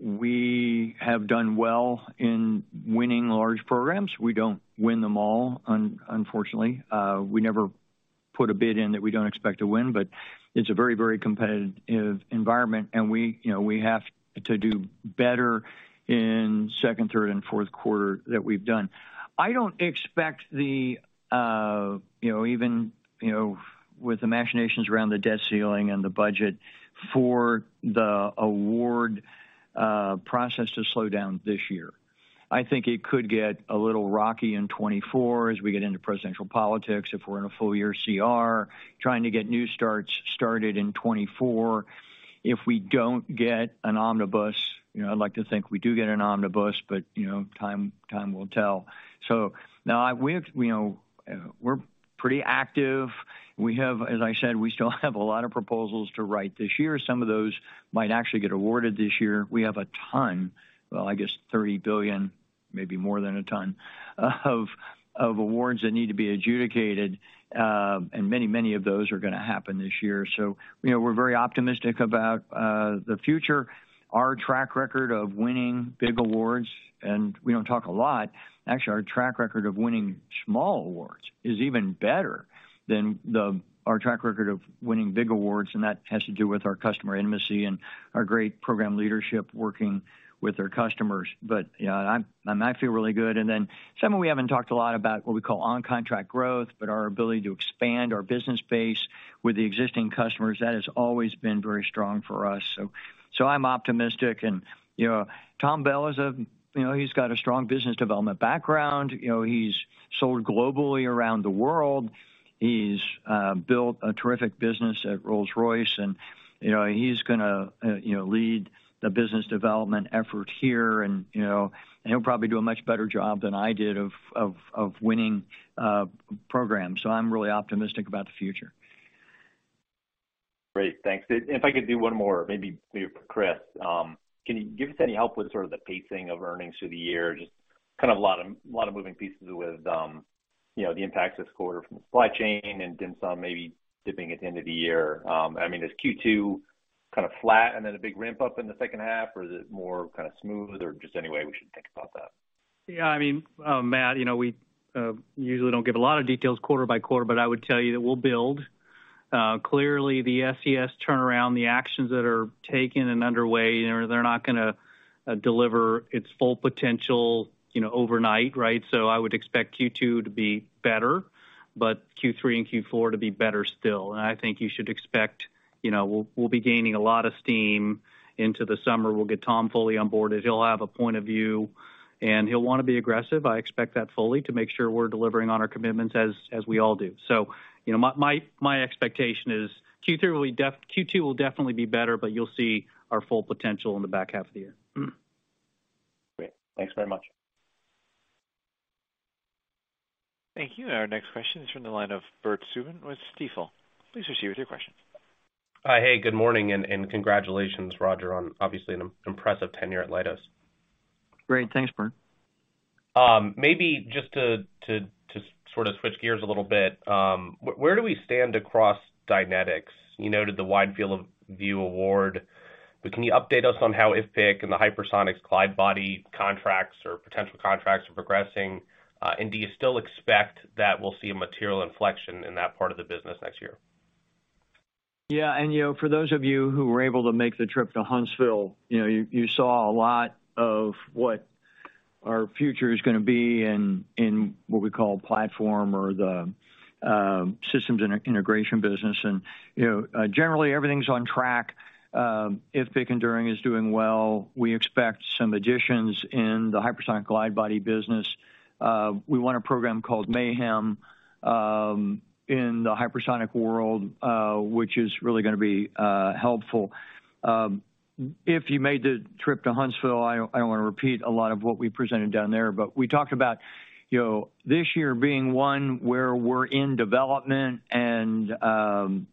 We have done well in winning large programs. We don't win them all, unfortunately. We never put a bid in that we don't expect to win, but it's a very, very competitive environment and we, you know, we have to do better in Q2 Q3 and Q4 that we've done. I don't expect the, you know, even, you know, with imaginations around the debt ceiling and the budget for the award process to slow down this year. I think it could get a little rocky in 2024 as we get into presidential politics if we're in a full year CR, trying to get new starts started in 2024. If we don't get an omnibus, you know, I'd like to think we do get an omnibus, but, you know, time will tell. Now we've, you know, we're pretty active. As I said, we still have a lot of proposals to write this year. Some of those might actually get awarded this year. We have a ton, well, I guess $30 billion, maybe more than a ton, of awards that need to be adjudicated, and many, many of those are gonna happen this year. You know, we're very optimistic about the future. Our track record of winning big awards, and we don't talk a lot. Actually, our track record of winning small awards is even better than our track record of winning big awards, and that has to do with our customer intimacy and our great program leadership working with our customers. You know, I'm actually really good. Then something we haven't talked a lot about, what we call on-contract growth, but our ability to expand our business base with the existing customers, that has always been very strong for us. I'm optimistic. You know, Tom Bell is a, you know, he's got a strong business development background. You know, he's sold globally around the world. He's built a terrific business at Rolls-Royce and, you know, he's gonna, you know, lead the business development effort here and, you know, and he'll probably do a much better job than I did of winning programs. I'm really optimistic about the future. Great. Thanks. If I could do one more, maybe for Chris. Can you give us any help with sort of the pacing of earnings through the year? A lot of moving pieces with, you know, the impacts this quarter from supply chain and then some maybe dipping at the end of the year. I mean, is Q2 kind of flat and then a big ramp-up in the second half? Or is it more kind of smooth or just any way we should think about that? Yeah. I mean, Matt, you know, e usually don't give a lot of details quarter by quarter, but I would tell you that we'll build. Clearly the SES turnaround, the actions that are taken and underway, you know, they're not gonna deliver its full potential, you know, overnight, right? I would expect Q2 to be better, but Q3 and Q4 to be better still. I think you should expect, you know, we'll be gaining a lot of steam into the summer. We'll get Tom fully on board as he'll have a point of view, and he'll wanna be aggressive. I expect that fully to make sure we're delivering on our commitments as we all do. You know, my expectation is Q2 will definitely be better, but you'll see our full potential in the back half of the year. Great. Thanks very much. Thank you. Our next question is from the line of Bert Subin with Stifel. Please proceed with your question. Hey, good morning and congratulations, Roger, on obviously an impressive tenure at Leidos. Great. Thanks, Bert. Maybe just to sort of switch gears a little bit, where do we stand across Dynetics? You noted the Wide Field of View award, can you update us on how IFPC and the hypersonic glide body contracts or potential contracts are progressing? Do you still expect that we'll see a material inflection in that part of the business next year? Yeah. you know, for those of you who were able to make the trip to Huntsville, you know, you saw a lot of what our future is gonna be in what we call platform or the systems integration business. you know, generally everything's on track. IFPC Enduring is doing well. We expect some additions in the hypersonic glide body business. We won a program called Mayhem in the hypersonic world, which is really gonna be helpful. If you made the trip to Huntsville, I don't wanna repeat a lot of what we presented down there, but we talked about, you know, this year being one where we're in development and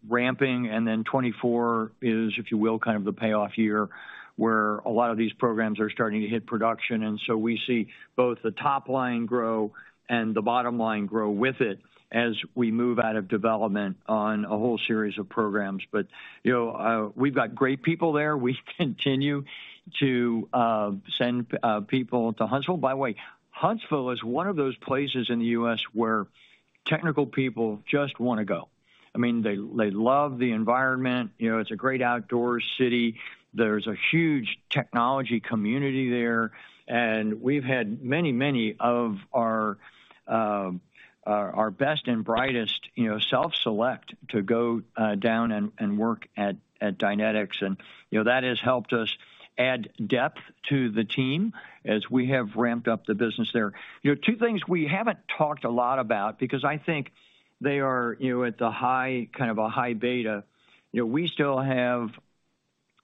ramping, and then 2024 is, if you will, kind of the payoff year where a lot of these programs are starting to hit production. We see both the top line grow and the bottom line grow with it as we move out of development on a whole series of programs. You know, we've got great people there. We continue to send people to Huntsville. By the way, Huntsville is one of those places in the US where technical people just wanna go. I mean, they love the environment. You know, it's a great outdoor city. There's a huge technology community there, and we've had many, many of our best and brightest, you know, self-select to go down and work at Dynetics. You know, that has helped us add depth to the team as we have ramped up the business there. You know, two things we haven't talked a lot about because I think they are, you know, at the high, kind of a high beta. You know, we still have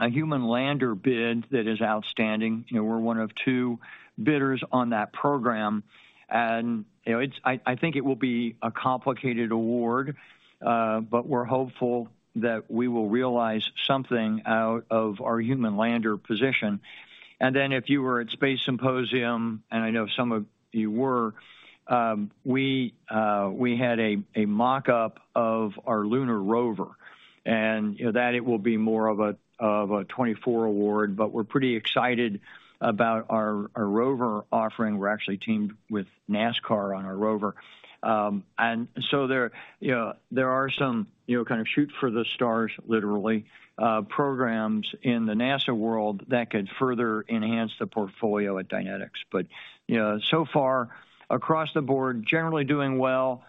a Human Lander bid that is outstanding. You know, we're one of two bidders on that program. And, you know, I think it will be a complicated award, but we're hopeful that we will realize something out of our Human Lander position. And then if you were at Space Symposium, and I know some of you were, we had a mock-up of our lunar rover and, you know, that it will be more of a 2024 award, but we're pretty excited about our rover offering. We're actually teamed with NASCAR on our rover. There, you know, there are some, you know, kind of shoot for the stars, literally, programs in the NASA world that could further enhance the portfolio at Dynetics. You know, so far across the board, generally doing well.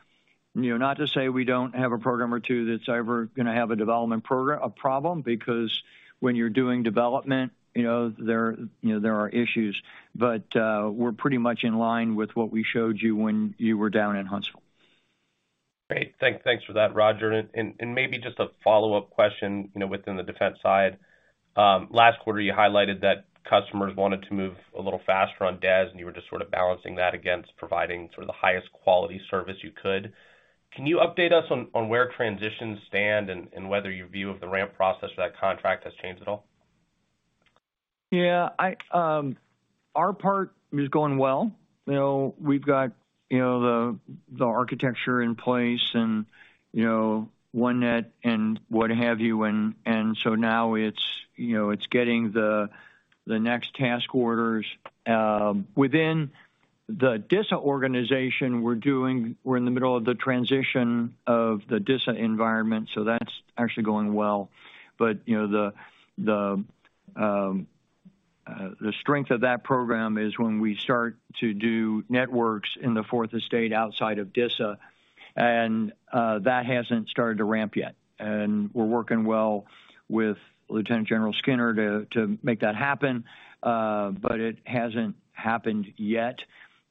You know, not to say we don't have a program or two that's ever gonna have a development problem because when you're doing development, you know, there, you know, there are issues. We're pretty much in line with what we showed you when you were down in Huntsville. Great. Thanks for that, Roger. Maybe just a follow-up question, you know, within the defense side. Last quarter, you highlighted that customers wanted to move a little faster on DaaS, and you were just sort of balancing that against providing sort of the highest quality service you could. Can you update us on where transitions stand and whether your view of the ramp process for that contract has changed at all? Yeah. I, our part is going well. You know, we've got, you know, the architecture in place and, you know, one net and what have you. Now it's, you know, it's getting the next task orders. Within the DISA organization, we're in the middle of the transition of the DISA environment, that's actually going well. You know, the strength of that program is when we start to do networks in the Fourth Estate outside of DISA, that hasn't started to ramp yet. We're working well with Lieutenant General Skinner to make that happen, it hasn't happened yet.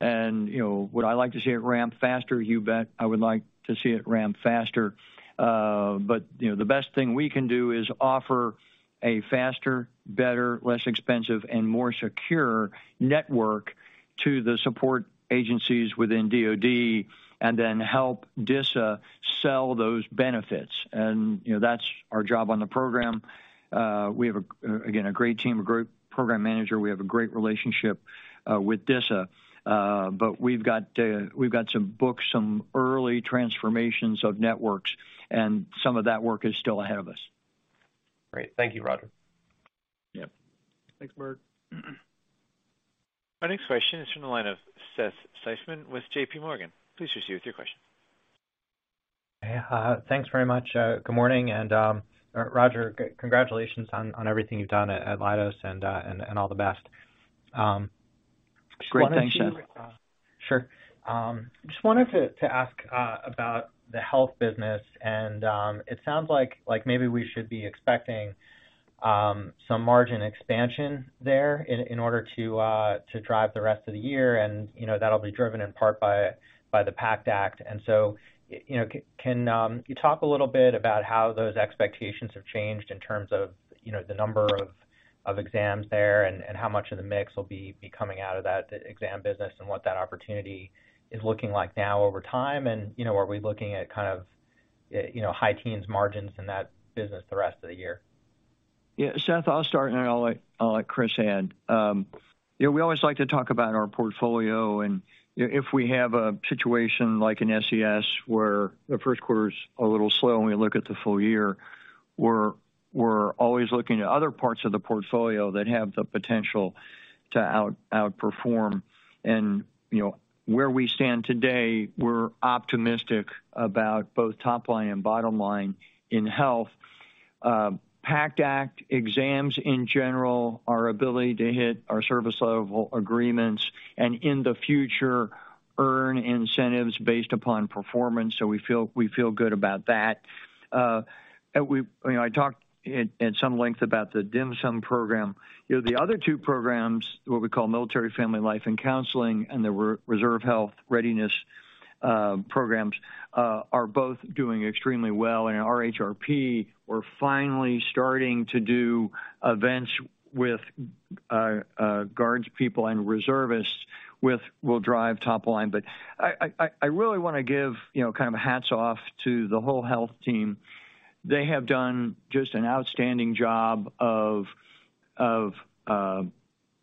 You know, would I like to see it ramp faster? You bet, I would like to see it ramp faster. You know, the best thing we can do is offer a faster, better, less expensive and more secure network to the support agencies within DoD and then help DISA sell those benefits. You know, that's our job on the program. We have a, again, a great team, a great program manager. We have a great relationship with DISA. We've got to book some early transformations of networks, and some of that work is still ahead of us. Great. Thank you, Roger. Yep. Thanks, Mark. Our next question is from the line of Seth Seifman with JPMorgan. Please proceed with your question. Hey. Thanks very much. Good morning. Roger, congratulations on everything you've done at Leidos and all the best. Just wanted to. Great. Thanks, Seth. Sure. Just wanted to ask about the health business, and it sounds like maybe we should be expecting some margin expansion there in order to drive the rest of the year and, you know, that'll be driven in part by the PACT Act. You know, can you talk a little bit about how those expectations have changed in terms of, you know, the number of exams there and how much of the mix will be coming out of that exam business and what that opportunity is looking like now over time. You know, are we looking at kind of, you know, high teens margins in that business the rest of the year? Yeah, Seth, I'll start and I'll let Chris add. You know, we always like to talk about our portfolio, and if we have a situation like in SES where the Q1's a little slow and we look at the full year, we're always looking at other parts of the portfolio that have the potential to outperform. You know, where we stand today, we're optimistic about both top line and bottom line in health. PACT Act exams in general, our ability to hit our service level agreements and in the future earn incentives based upon performance. We feel good about that. You know, I talked at some length about the DHMSM program. You know, the other two programs, what we call Military and Family Life Counseling, and the Reserve Health Readiness programs, are both doing extremely well. In RHRP, we're finally starting to do events with guards people and reservists will drive top line. I really wanna give, you know, kind of hats off to the whole health team. They have done just an outstanding job of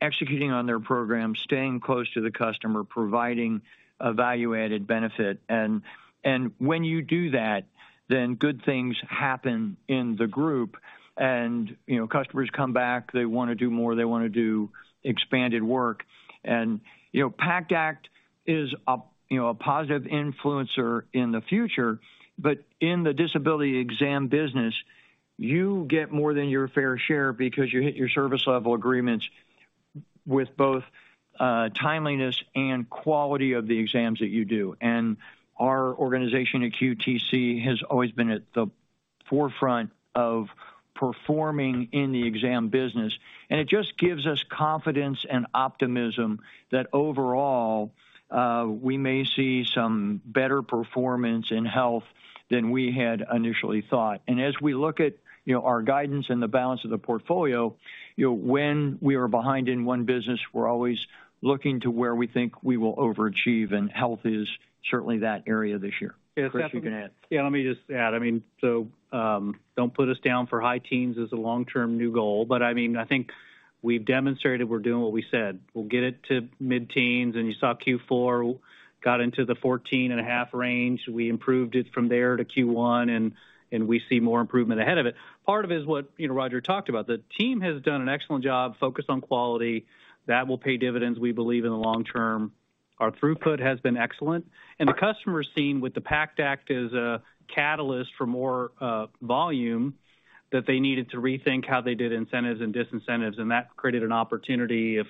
executing on their program, staying close to the customer, providing a value-added benefit. When you do that, then good things happen in the group and, you know, customers come back, they wanna do more, they wanna do expanded work. You know, PACT Act is a, you know, a positive influencer in the future, but in the disability exam business, you get more than your fair share because you hit your service level agreements with both timeliness and quality of the exams that you do. Our organization at QTC has always been at the forefront of performing in the exam business. It just gives us confidence and optimism that overall, we may see some better performance in health than we had initially thought. As we look at, you know, our guidance and the balance of the portfolio, you know, when we are behind in one business, we're always looking to where we think we will overachieve, and health is certainly that area this year. Chris, you can add. Let me just add. I mean, don't put us down for high teens as a long-term new goal. I mean, I think we've demonstrated we're doing what we said. We'll get it to mid-teens, and you saw Q4 got into the 14.5 range. We improved it from there to Q1, and we see more improvement ahead of it. Part of it is what, you know, Roger talked about. The team has done an excellent job focused on quality that will pay dividends, we believe, in the long term. Our throughput has been excellent. The customer scene with the PACT Act as a catalyst for more volume that they needed to rethink how they did incentives and disincentives. That created an opportunity if,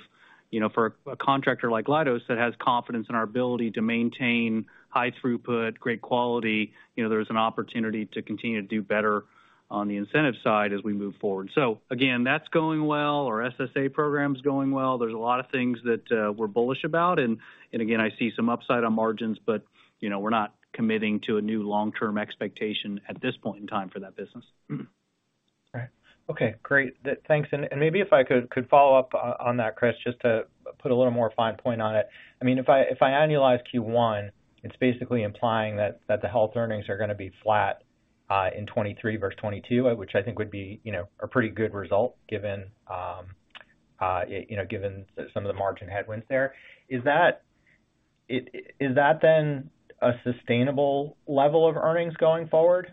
you know, for a contractor like Leidos that has confidence in our ability to maintain high throughput, great quality, you know, there's an opportunity to continue to do better on the incentive side as we move forward. Again, that's going well. Our SSA program's going well. There's a lot of things that we're bullish about. Again, I see some upside on margins, but, you know, we're not committing to a new long-term expectation at this point in time for that business. All right. Okay, great. Thanks. Maybe if I could follow up on that, Chris, just to put a little more fine point on it. I mean, if I annualize Q1, it's basically implying that the health earnings are gonna be flat in 2023 versus 2022, which I think would be, you know, a pretty good result given, you know, given some of the margin headwinds there. Is that then a sustainable level of earnings going forward,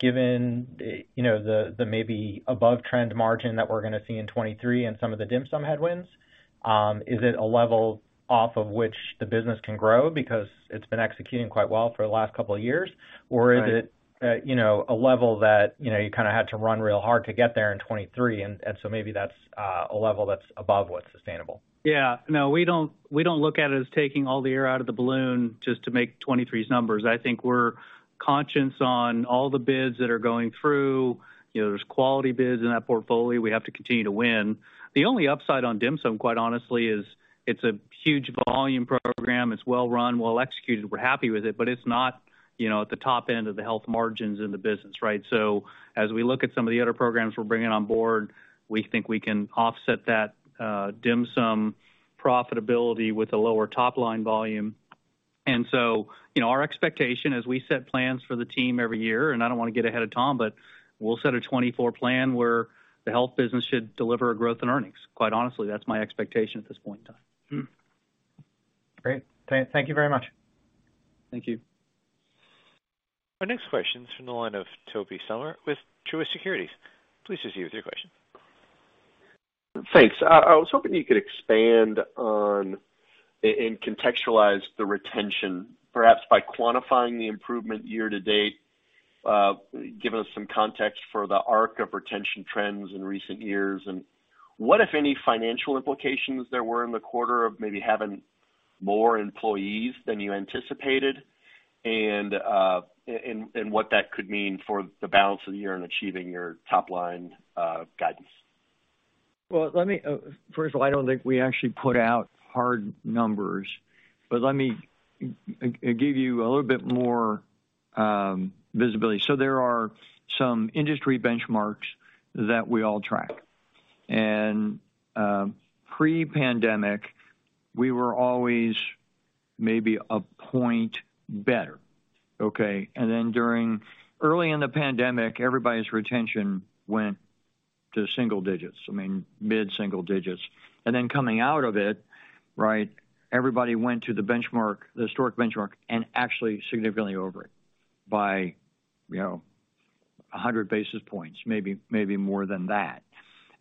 given, you know, the maybe above trend margin that we're gonna see in 2023 and some of the dim sum headwinds? Is it a level off of which the business can grow because it's been executing quite well for the last couple of years? Or is it- Right... you know, a level that, you know, you kinda had to run real hard to get there in 2023, and so maybe that's, a level that's above what's sustainable. No, we don't look at it as taking all the air out of the balloon just to make 2023's numbers. I think we're conscious on all the bids that are going through. You know, there's quality bids in that portfolio we have to continue to win. The only upside on dim sum, quite honestly, is it's a huge volume program. It's well run, well executed. We're happy with it, but it's not, you know, at the top end of the health margins in the business, right? As we look at some of the other programs we're bringing on board, we think we can offset that dim sum profitability with a lower top-line volume. You know, our expectation as we set plans for the team every year, and I don't wanna get ahead of Tom, but we'll set a 2024 plan where the health business should deliver a growth in earnings. Quite honestly, that's my expectation at this point in time. Great. Thank you very much. Thank you. Our next question is from the line of Tobey Sommer with Truist Securities. Please proceed with your question. Thanks. I was hoping you could expand on and contextualize the retention, perhaps by quantifying the improvement year to date, giving us some context for the arc of retention trends in recent years. What, if any, financial implications there were in the quarter of maybe having more employees than you anticipated and what that could mean for the balance of the year in achieving your top line, guidance? Well, let me first of all, I don't think we actually put out hard numbers, but let me give you a little bit more visibility. There are some industry benchmarks that we all track. Pre-pandemic, we were always maybe 1 point better, okay? Then early in the pandemic, everybody's retention went to single digits, I mean, mid-single digits. Then coming out of it, right, everybody went to the benchmark, the historic benchmark, and actually significantly over it by, you know, 100 basis points, maybe more than that.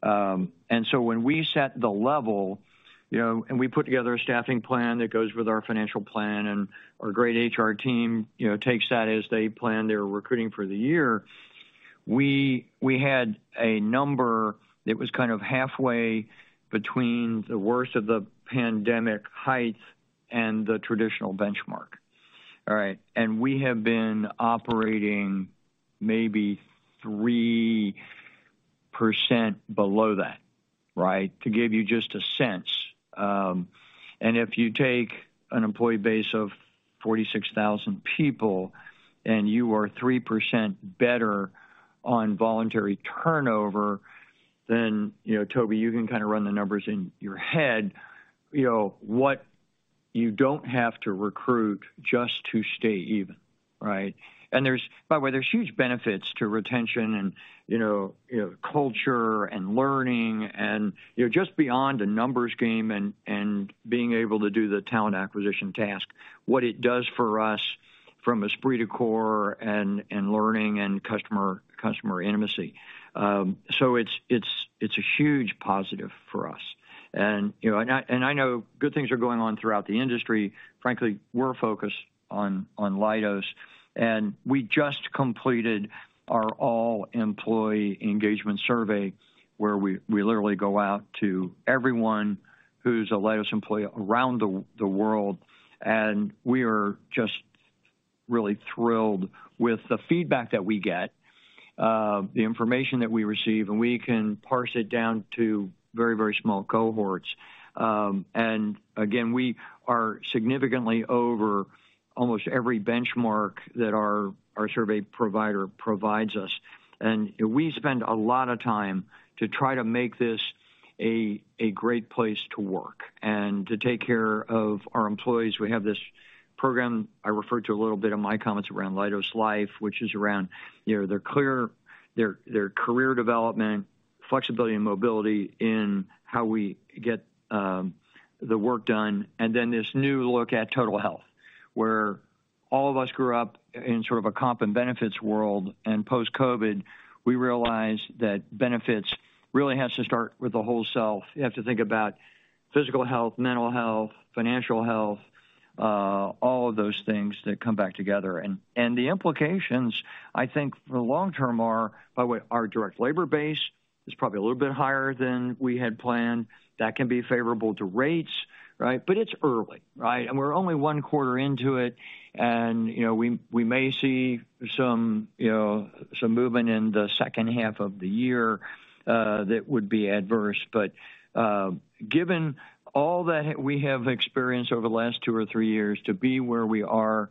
When we set the level, you know, and we put together a staffing plan that goes with our financial plan, and our great HR team, you know, takes that as they plan their recruiting for the year, we had a number that was kind of halfway between the worst of the pandemic heights and the traditional benchmark. All right? We have been operating maybe 3% below that, right, to give you just a sense. If you take an employee base of 46,000 people and you are 3% better on voluntary turnover, then, you know, Toby, you can kinda run the numbers in your head, you know, what you don't have to recruit just to stay even, right? There's... By the way, there's huge benefits to retention and, you know, you know, culture and learning and, you know, just beyond a numbers game and being able to do the talent acquisition task, what it does for us from esprit de corps and learning and customer intimacy. So it's a huge positive for us. You know, I know good things are going on throughout the industry. Frankly, we're focused on Leidos. We just completed our all-employee engagement survey, where we literally go out to everyone who's a Leidos employee around the world, and we are just really thrilled with the feedback that we get, the information that we receive, and we can parse it down to very small cohorts. Again, we are significantly over almost every benchmark that our survey provider provides us. We spend a lot of time to try to make this a great place to work and to take care of our employees. We have this program I referred to a little bit in my comments around Leidos Life, which is around, you know, their career development, flexibility and mobility in how we get the work done, and then this new look at total health. All of us grew up in sort of a comp and benefits world, and post-COVID, we realized that benefits really has to start with the whole self. You have to think about physical health, mental health, financial health, all of those things that come back together. The implications, I think, for the long term are, by the way, our direct labor base is probably a little bit higher than we had planned. That can be favorable to rates, right. It's early, right. We're only 1 quarter into it and, you know, we may see some, you know, some movement in the 2nd half of the year that would be adverse. Given all that we have experienced over the last 2 or 3 years to be where we are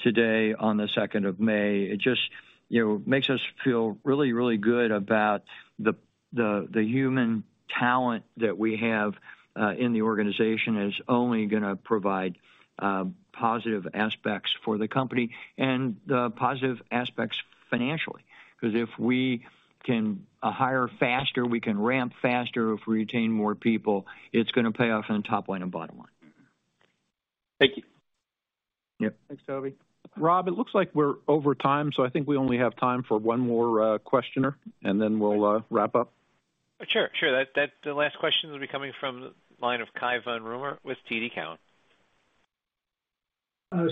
today on the 2nd of May, it just, you know, makes us feel really, really good about the, the human talent that we have in the organization is only going to provide positive aspects for the company and the positive aspects financially. 'Cause if we can hire faster, we can ramp faster, if we retain more people, it's gonna pay off in the top line and bottom line. Thank you. Yep. Thanks, Tobey. Robert, it looks like we're over time. I think we only have time for one more questioner. We'll wrap up. Sure, sure. The last question will be coming from the line of Cai von Rumohr with TD Cowen.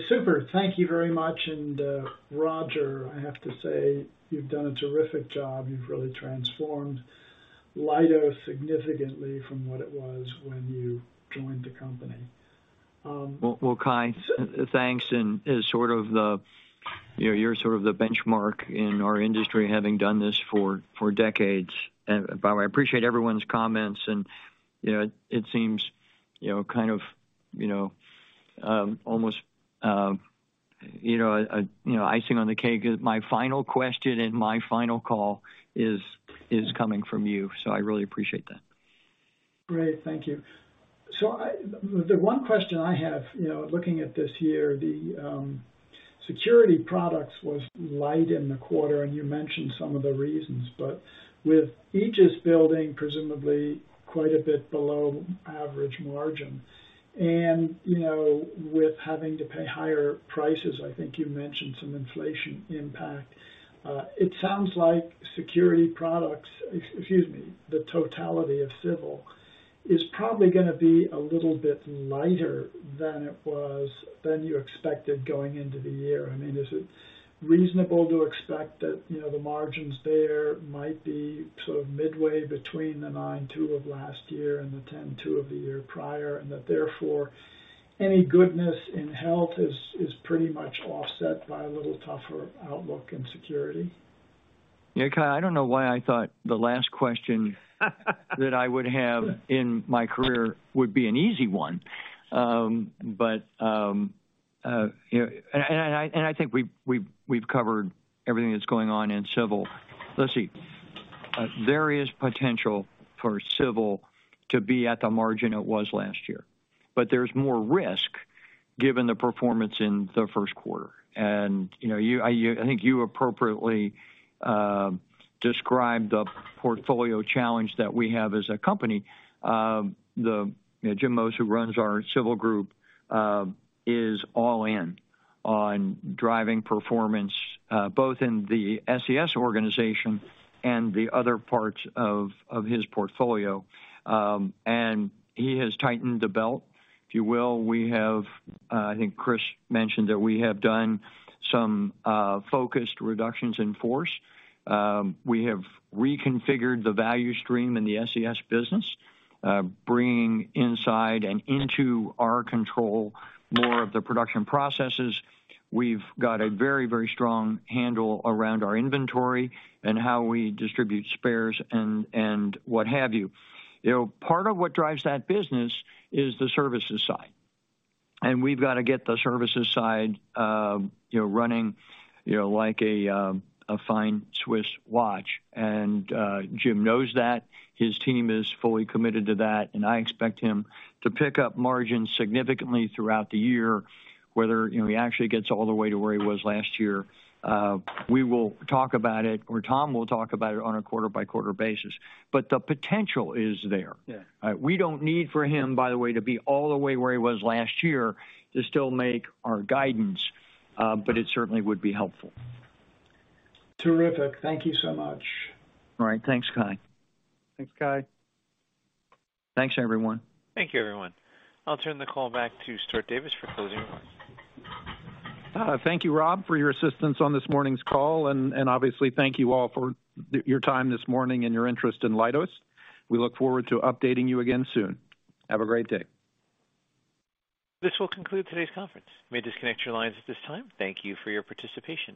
Super. Thank you very much. Roger, I have to say, you've done a terrific job. You've really transformed Leidos significantly from what it was when you joined the company. Well, Cai, thanks. As sort of the, you know, you're sort of the benchmark in our industry, having done this for decades. By the way, I appreciate everyone's comments and, you know, it seems, you know, kind of, you know, almost, you know, icing on the cake is my final question and my final call is coming from you, so I really appreciate that. Great. Thank you. The one question I have, you know, looking at this year, the security products was light in the quarter, and you mentioned some of the reasons. With each is building presumably quite a bit below average margin, and, you know, with having to pay higher prices, I think you mentioned some inflation impact, it sounds like security products, excuse me, the totality of Civil is probably gonna be a little bit lighter than it was than you expected going into the year. I mean, is it reasonable to expect that, you know, the margins there might be sort of midway between the 9.2% of last year and the 10.2% of the year prior, and that therefore any goodness in Health is pretty much offset by a little tougher outlook in security? Yeah, Cai, I don't know why I thought the last question that I would have in my career would be an easy one. I think we've covered everything that's going on in Civil. Let's see. There is potential for Civil to be at the margin it was last year, but there's more risk given the performance in the Q1. You know, you, I think you appropriately described the portfolio challenge that we have as a company. The, you know, Jim Moos, who runs our Civil group, is all in on driving performance, both in the SES organization and the other parts of his portfolio. He has tightened the belt, if you will. We have, I think Chris mentioned that we have done some focused reductions in force. We have reconfigured the value stream in the SES business, bringing inside and into our control more of the production processes. We've got a very, very strong handle around our inventory and how we distribute spares and what have you. You know, part of what drives that business is the services side, and we've got to get the services side, you know, running, you know, like a fine Swiss watch. Jim knows that. His team is fully committed to that, and I expect him to pick up margins significantly throughout the year, whether, you know, he actually gets all the way to where he was last year. We will talk about it, or Tom will talk about it on a quarter-by-quarter basis, but the potential is there. Yeah. We don't need for him, by the way, to be all the way where he was last year to still make our guidance, but it certainly would be helpful. Terrific. Thank you so much. All right. Thanks, Cai. Thanks, Cai. Thanks, everyone. Thank you, everyone. I'll turn the call back to Stuart Davis for closing remarks. Thank you, Rob, for your assistance on this morning's call. Obviously, thank you all for your time this morning and your interest in Leidos. We look forward to updating you again soon. Have a great day. This will conclude today's conference. You may disconnect your lines at this time. Thank you for your participation.